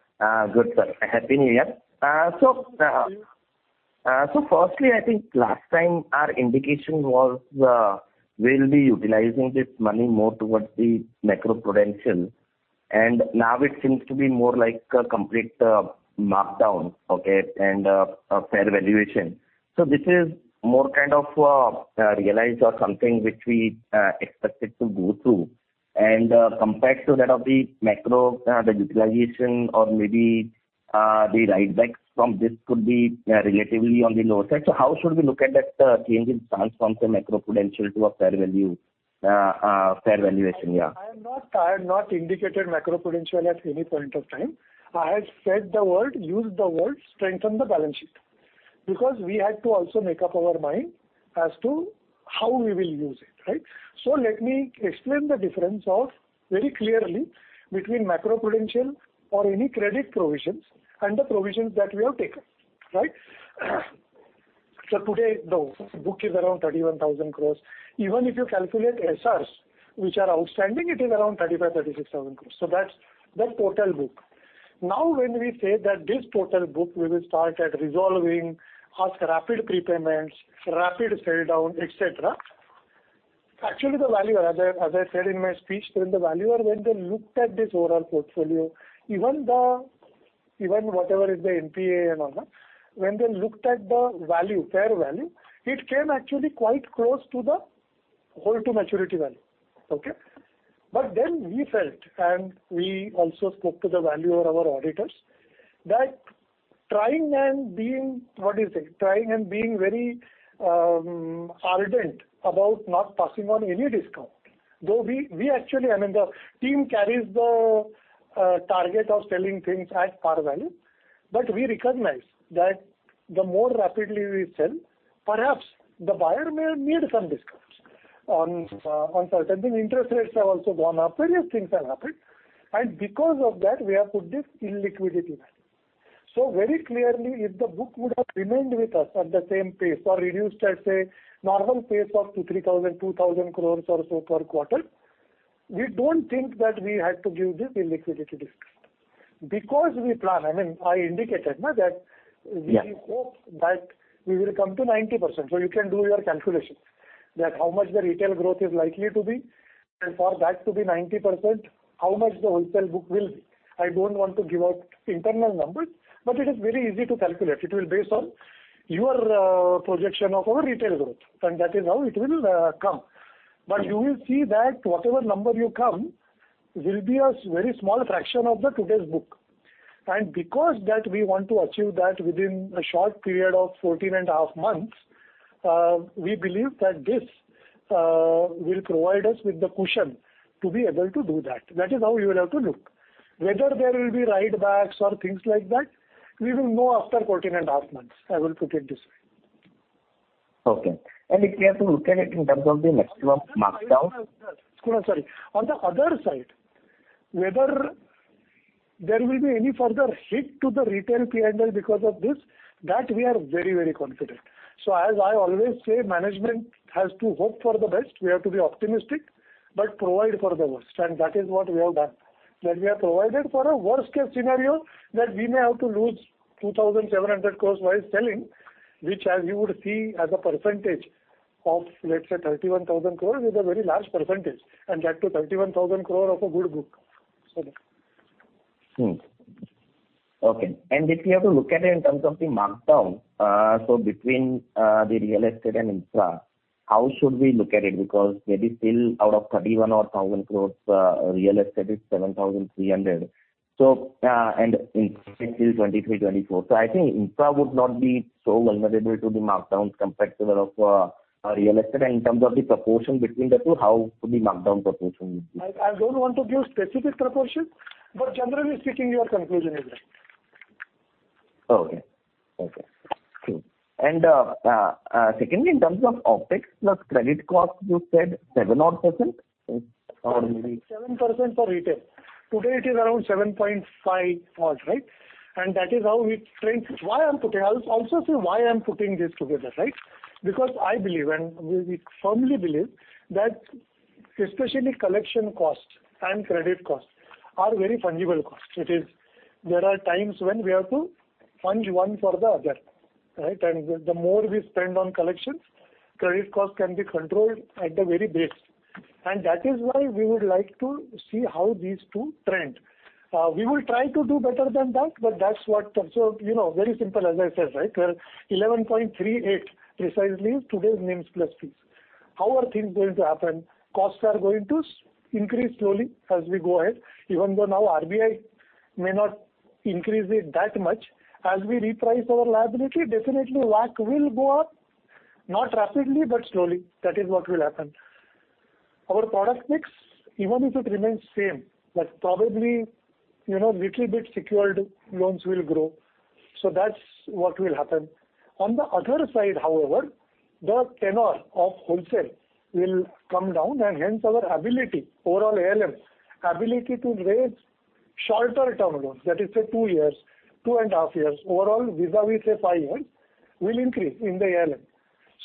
Good, sir. Happy New Year. Firstly, I think last time our indication was, we'll be utilizing this money more towards the macro prudential, now it seems to be more like a complete, markdown, okay? A fair valuation. This is more kind of, realized or something which we, expected to go through. Compared to that of the macro, the utilization or maybe, the write backs from this could be, relatively on the lower side. How should we look at that, change in stance from the macro prudential to a fair value, fair valuation? I have not, I have not indicated macro prudential at any point of time. I have said the word, used the word, strengthen the balance sheet, because we had to also make up our mind as to how we will use it, right? Let me explain the difference of very clearly between macro prudential or any credit provisions and the provisions that we have taken. Right? Today, the book is around 31,000 crores. Even if you calculate SRs which are outstanding, it is around 35,000-36,000 crores. That's the total book. Now, when we say that this total book we will start at resolving, has rapid prepayments, rapid sell down, et cetera. Actually, the value, as I said in my speech, when the valuer, when they looked at this overall portfolio, even whatever is the NPA and all that, when they looked at the value, fair value, it came actually quite close to the hold to maturity value. Okay? We felt, and we also spoke to the valuer, our auditors, that trying and being, what do you say? Trying and being very ardent about not passing on any discount. Though we actually I mean, the team carries the target of selling things at par value. We recognize that the more rapidly we sell, perhaps the buyer may need some discounts on certain things. Interest rates have also gone up. Various things have happened. We have put this illiquidity value. Very clearly, if the book would have remained with us at the same pace or reduced at, say, normal pace of 2,000-3,000 crores or so per quarter, we don't think that we had to give this illiquidity discount. We plan, I mean, I indicated, no? Yes. We hope that we will come to 90%. You can do your calculations that how much the retail growth is likely to be, and for that to be 90%, how much the wholesale book will be. I don't want to give out internal numbers, but it is very easy to calculate. It will based on your projection of our retail growth, and that is how it will come. But you will see that whatever number you come will be a very small fraction of the today's book. Because that we want to achieve that within a short period of 14 and a half months, we believe that this will provide us with the cushion to be able to do that. That is how you will have to look. Whether there will be write backs or things like that, we will know after 14 and a half months. I will put it this way. Okay. If we have to look at it in terms of the maximum markdown. Kunal, sorry. On the other side, whether there will be any further hit to the retail P&L because of this, that we are very, very confident. As I always say, management has to hope for the best. We have to be optimistic but provide for the worst, and that is what we have done. That we have provided for a worst case scenario that we may have to lose 2,700 crore while selling, which as you would see as a percentage of, let's say, 31,000 crore is a very large percentage, and that too 31,000 crore of a good book. Yeah. Okay. If you have to look at it in terms of the markdown, between the real estate and infra, how should we look at it? Because maybe still out of 31,000 crores, real estate is 7,300, and infra is 23,000-24,000. I think infra would not be so vulnerable to the markdowns comparable of our real estate. In terms of the proportion between the two, how would the markdown proportion be? I don't want to give specific proportion, but generally speaking, your conclusion is right. Okay, cool. Secondly, in terms of OPEX plus credit cost, you said 7 odd %. 7% for retail. Today it is around 7.5 odd, right? That is how we trend. I'll also say why I'm putting this together, right? I believe, and we firmly believe that especially collection costs and credit costs are very fungible costs. It is, there are times when we have to fung one for the other, right? The more we spend on collections, credit costs can be controlled at the very base. That is why we would like to see how these two trend. We will try to do better than that, but that's what..., very simple, as I said, right? Where 11.38 precisely is today's NIMs plus fees. How are things going to happen? Costs are going to increase slowly as we go ahead. Even though now RBI may not increase it that much, as we reprice our liability, definitely WACC will go up, not rapidly, but slowly. That is what will happen. Our product mix, even if it remains same, probably little bit secured loans will grow. That's what will happen. On the other side, however, the tenor of wholesale will come down and hence our ability, overall ALM, ability to raise shorter term loans, let us say two years, two and a half years, overall vis-a-vis say five years will increase in the ALM.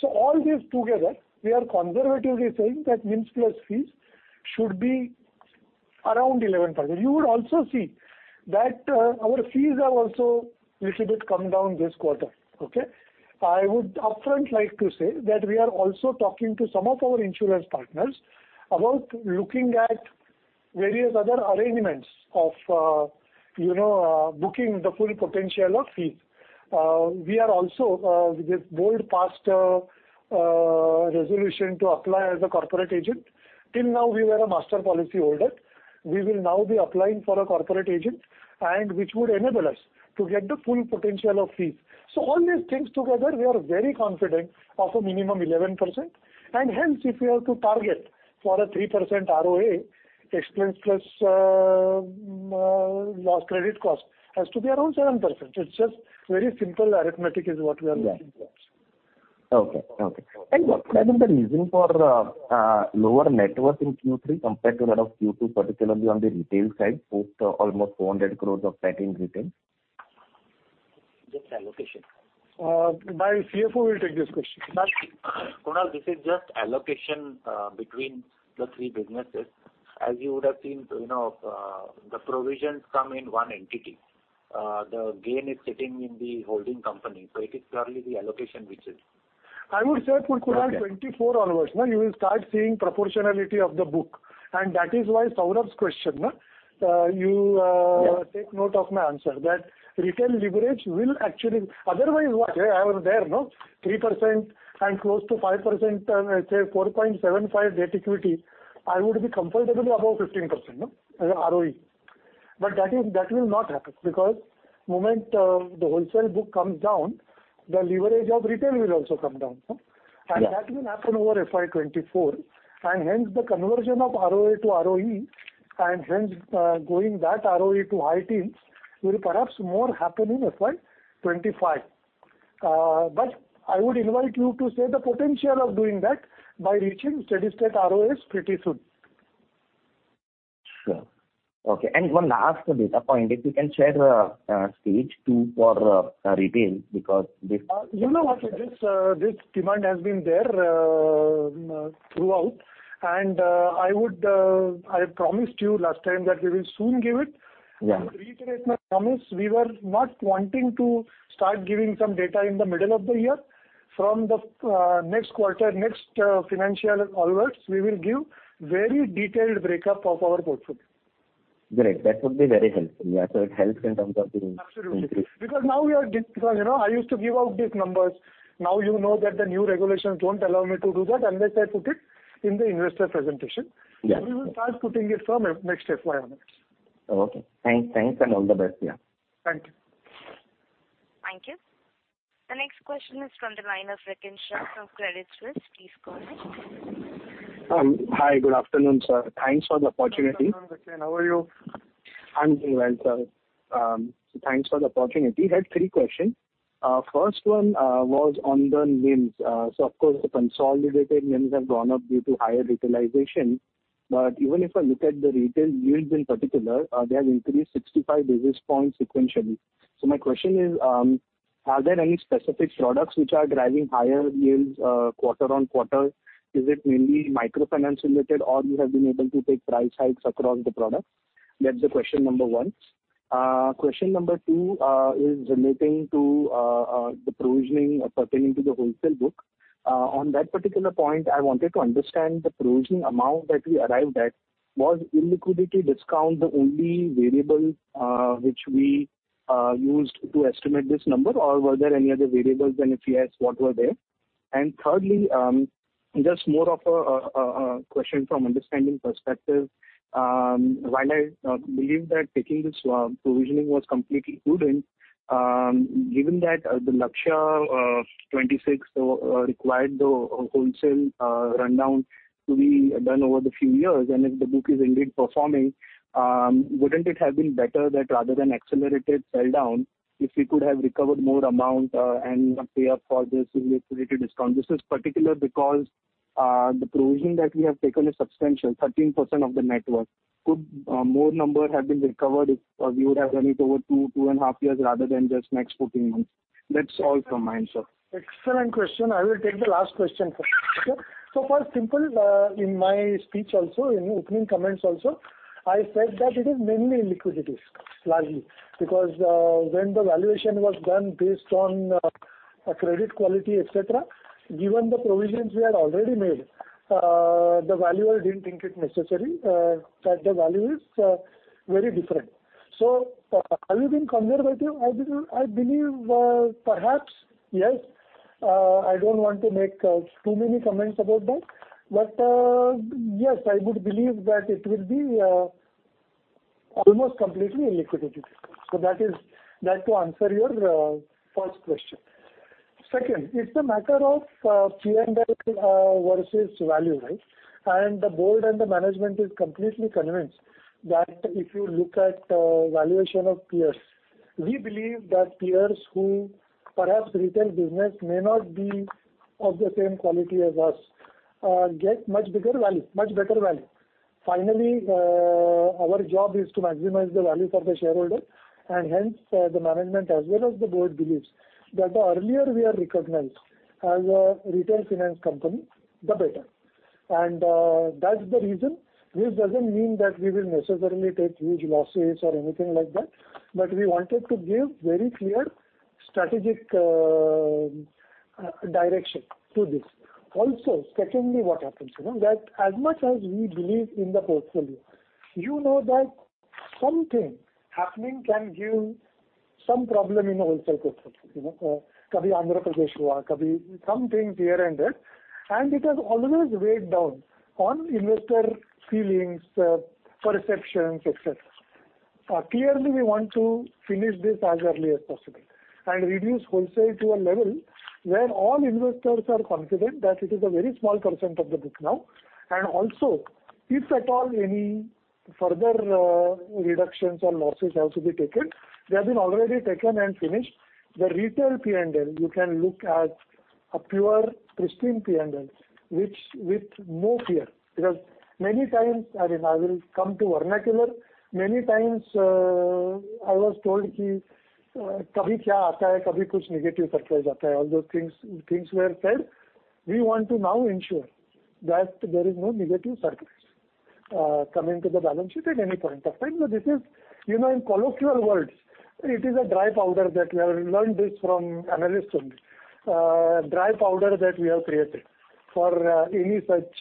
All this together, we are conservatively saying that NIMs plus fees should be around 11%. You would also see that our fees have also little bit come down this quarter, okay? I would upfront like to say that we are also talking to some of our insurance partners about looking at various other arrangements of booking the full potential of fees. We are also, we've bold passed a resolution to apply as a corporate agent. Till now we were a master policy holder. We will now be applying for a corporate agent and which would enable us to get the full potential of fees. All these things together, we are very confident of a minimum 11%. Hence if we have to target for a 3% ROA, expense plus, loss, credit cost has to be around 7%. It's just very simple arithmetic is what we are looking for. Yeah. Okay. Okay. What could have been the reason for lower net worth in Q3 compared to that of Q2, particularly on the retail side, post almost 400 crores of that in retail? Just allocation. my CFO will take this question. Kunal, this is just allocation between the three businesses. As you would have seen the provisions come in one entity. The gain is sitting in the holding company, so it is purely the allocation which is. I would say for Kunal, 2024 onwards, no, you will start seeing proportionality of the book. That is why Saurabh's question, you take note of my answer, that retail leverage will actually. Otherwise what? I was there, no, 3% and close to 5%, say 4.75 debt equity, I would be comfortably above 15%, no, as ROE. That is, that will not happen because moment the wholesale book comes down, the leverage of retail will also come down, no? Yes. That will happen over FY 2024, hence the conversion of ROA to ROE, hence, going that ROE to high teens will perhaps more happen in FY 2025. I would invite you to say the potential of doing that by reaching steady state ROAs pretty soon. Sure. Okay. One last data point, if you can share, stage 2 for retail? what, this demand has been there, throughout, and, I would, I promised you last time that we will soon give it. Yeah. Reiterate my promise, we were not wanting to start giving some data in the middle of the year. From the next quarter, next financial onwards, we will give very detailed breakup of our portfolio. Great. That would be very helpful. Yeah. It helps in terms of Absolutely. I used to give out these numbers. Now that the new regulations don't allow me to do that unless I put it in the investor presentation. Yeah. We will start putting it from next F.Y. onwards. Okay. Thanks. Thanks and all the best. Yeah. Thank you. Thank you. The next question is from the line of Ritesh Shah from Credit Suisse. Please go ahead. Hi. Good afternoon, sir. Thanks for the opportunity. Good afternoon, Ritesh. How are you? I'm doing well, sir. Thanks for the opportunity. I had three questions. First one was on the NIMs. Of course, the consolidated NIMs have gone up due to higher retailization. Even if I look at the retail yields in particular, they have increased 65 basis points sequentially. My question is, are there any specific products which are driving higher yields, quarter-on-quarter? Is it mainly microfinance related, or you have been able to take price hikes across the products? That's the question number one. Question number two is relating to the provisioning pertaining to the wholesale book. On that particular point, I wanted to understand the provisioning amount that we arrived at. Was illiquidity discount the only variable which we used to estimate this number or were there any other variables than, if yes, what were they? Thirdly, just more of a question from understanding perspective. While I believe that taking this provisioning was completely prudent, given that the Lakshya 2026 required the wholesale rundown to be done over the few years and if the book is indeed performing, wouldn't it have been better that rather than accelerated sell down, if we could have recovered more amount and pay up for this illiquidity discount? This is particular because the provision that we have taken is substantial, 13% of the network. More number have been recovered if you would have done it over two and a half years rather than just next 14 months? That's all from my end, sir. Excellent question. I will take the last question first. First, simple, in my speech also, in opening comments also, I said that it is mainly illiquidities, largely. Because, when the valuation was done based on credit quality, et cetera, given the provisions we had already made, the valuer didn't think it necessary, that the value is very different. Have we been conservative? I believe, perhaps, yes. I don't want to make too many comments about that. Yes, I would believe that it will be almost completely illiquidities. That is, to answer your first question. Second, it's a matter of P&L versus value, right? The board and the management is completely convinced that if you look at valuation of peers, we believe that peers who perhaps retail business may not be of the same quality as us, get much bigger value, much better value. Finally, our job is to maximize the value for the shareholder and hence the management as well as the board believes that the earlier we are recognized as a retail finance company, the better. That's the reason. This doesn't mean that we will necessarily take huge losses or anything like that, but we wanted to give very clear strategic direction to this. Secondly, what happens that as much as we believe in the portfolio, that something happening can give some problem in a wholesale portfolio., some things here and there, it has always weighed down on investor feelings, perceptions, et cetera. Clearly we want to finish this as early as possible and reduce wholesale to a level where all investors are confident that it is a very small % of the book now. Also, if at all any further reductions or losses have to be taken, they have been already taken and finished. The retail P&L, you can look at a pure pristine P&L, which with no fear. Because many times, I mean, I will come to vernacular. Many times, I was told, all those things were said. We want to now ensure that there is no negative surprise coming to the balance sheet at any point of time. This is in colloquial words, it is a dry powder that we have learned this from analysts only. Dry powder that we have created for any such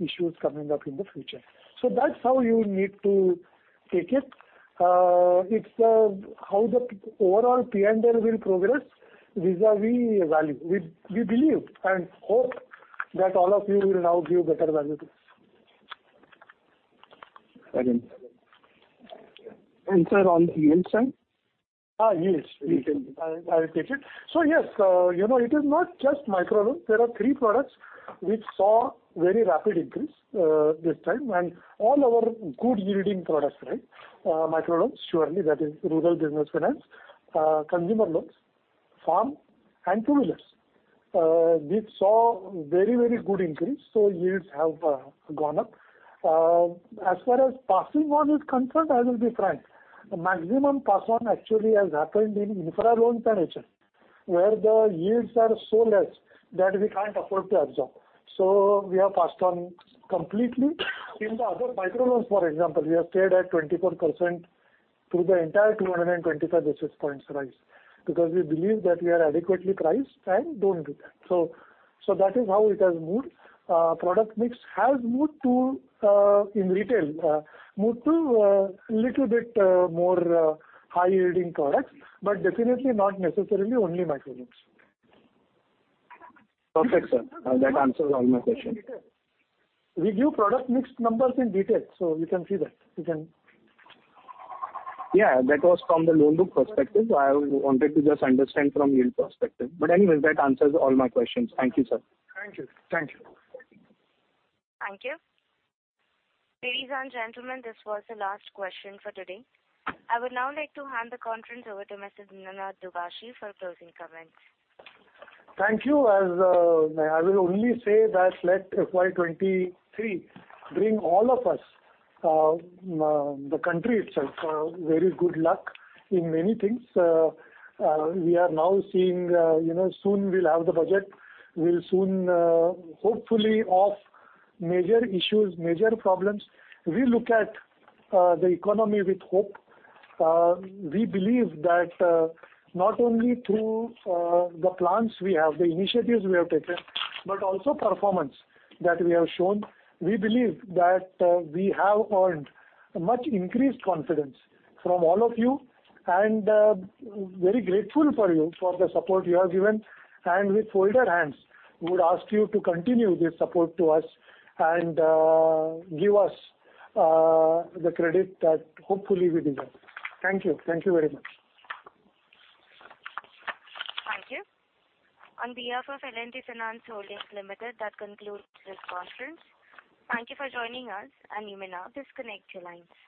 issues coming up in the future. That's how you need to take it. It's how the overall P&L will progress vis-à-vis value. We believe and hope that all of you will now give better value to us. Sir, on the yield side? Yes, I'll take it. yes it is not just micro loans. There are 3 products which saw very rapid increase this time and all our good yielding products, right? Micro loans, surely that is rural business finance, consumer loans, farm and two-wheelers. These saw very, very good increase, so yields have gone up. As far as passing on is concerned, I will be frank. Maximum pass on actually has happened in infra loans by nature, where the yields are so less that we can't afford to absorb. We have passed on completely. In the other micro loans, for example, we have stayed at 24% through the entire 225 basis points rise because we believe that we are adequately priced and don't do that. That is how it has moved. Product mix has moved to in retail, moved to little bit more high yielding products, but definitely not necessarily only micro loans. Perfect, sir. That answers all my questions. We give product mix numbers in detail, so you can see that. Yeah, that was from the loan book perspective. I wanted to just understand from yield perspective. Anyway, that answers all my questions. Thank you, sir. Thank you. Thank you. Thank you. Ladies and gentlemen, this was the last question for today. I would now like to hand the conference over to Mr. Dinanath Dubhashi for closing comments. Thank you. As, I will only say that let FY 2023 bring all of us, the country itself, very good luck in many things. We are now seeing soon we'll have the budget. We'll soon, hopefully off major issues, major problems. We look at the economy with hope. We believe that, not only through the plans we have, the initiatives we have taken, but also performance that we have shown. We believe that, we have earned much increased confidence from all of you and, very grateful for you for the support you have given. With folded hands, we would ask you to continue this support to us and, give us the credit that hopefully we deserve. Thank you. Thank you very much. Thank you. On behalf of L&T Finance Holdings Limited, that concludes this conference. Thank you for joining us, and you may now disconnect your lines.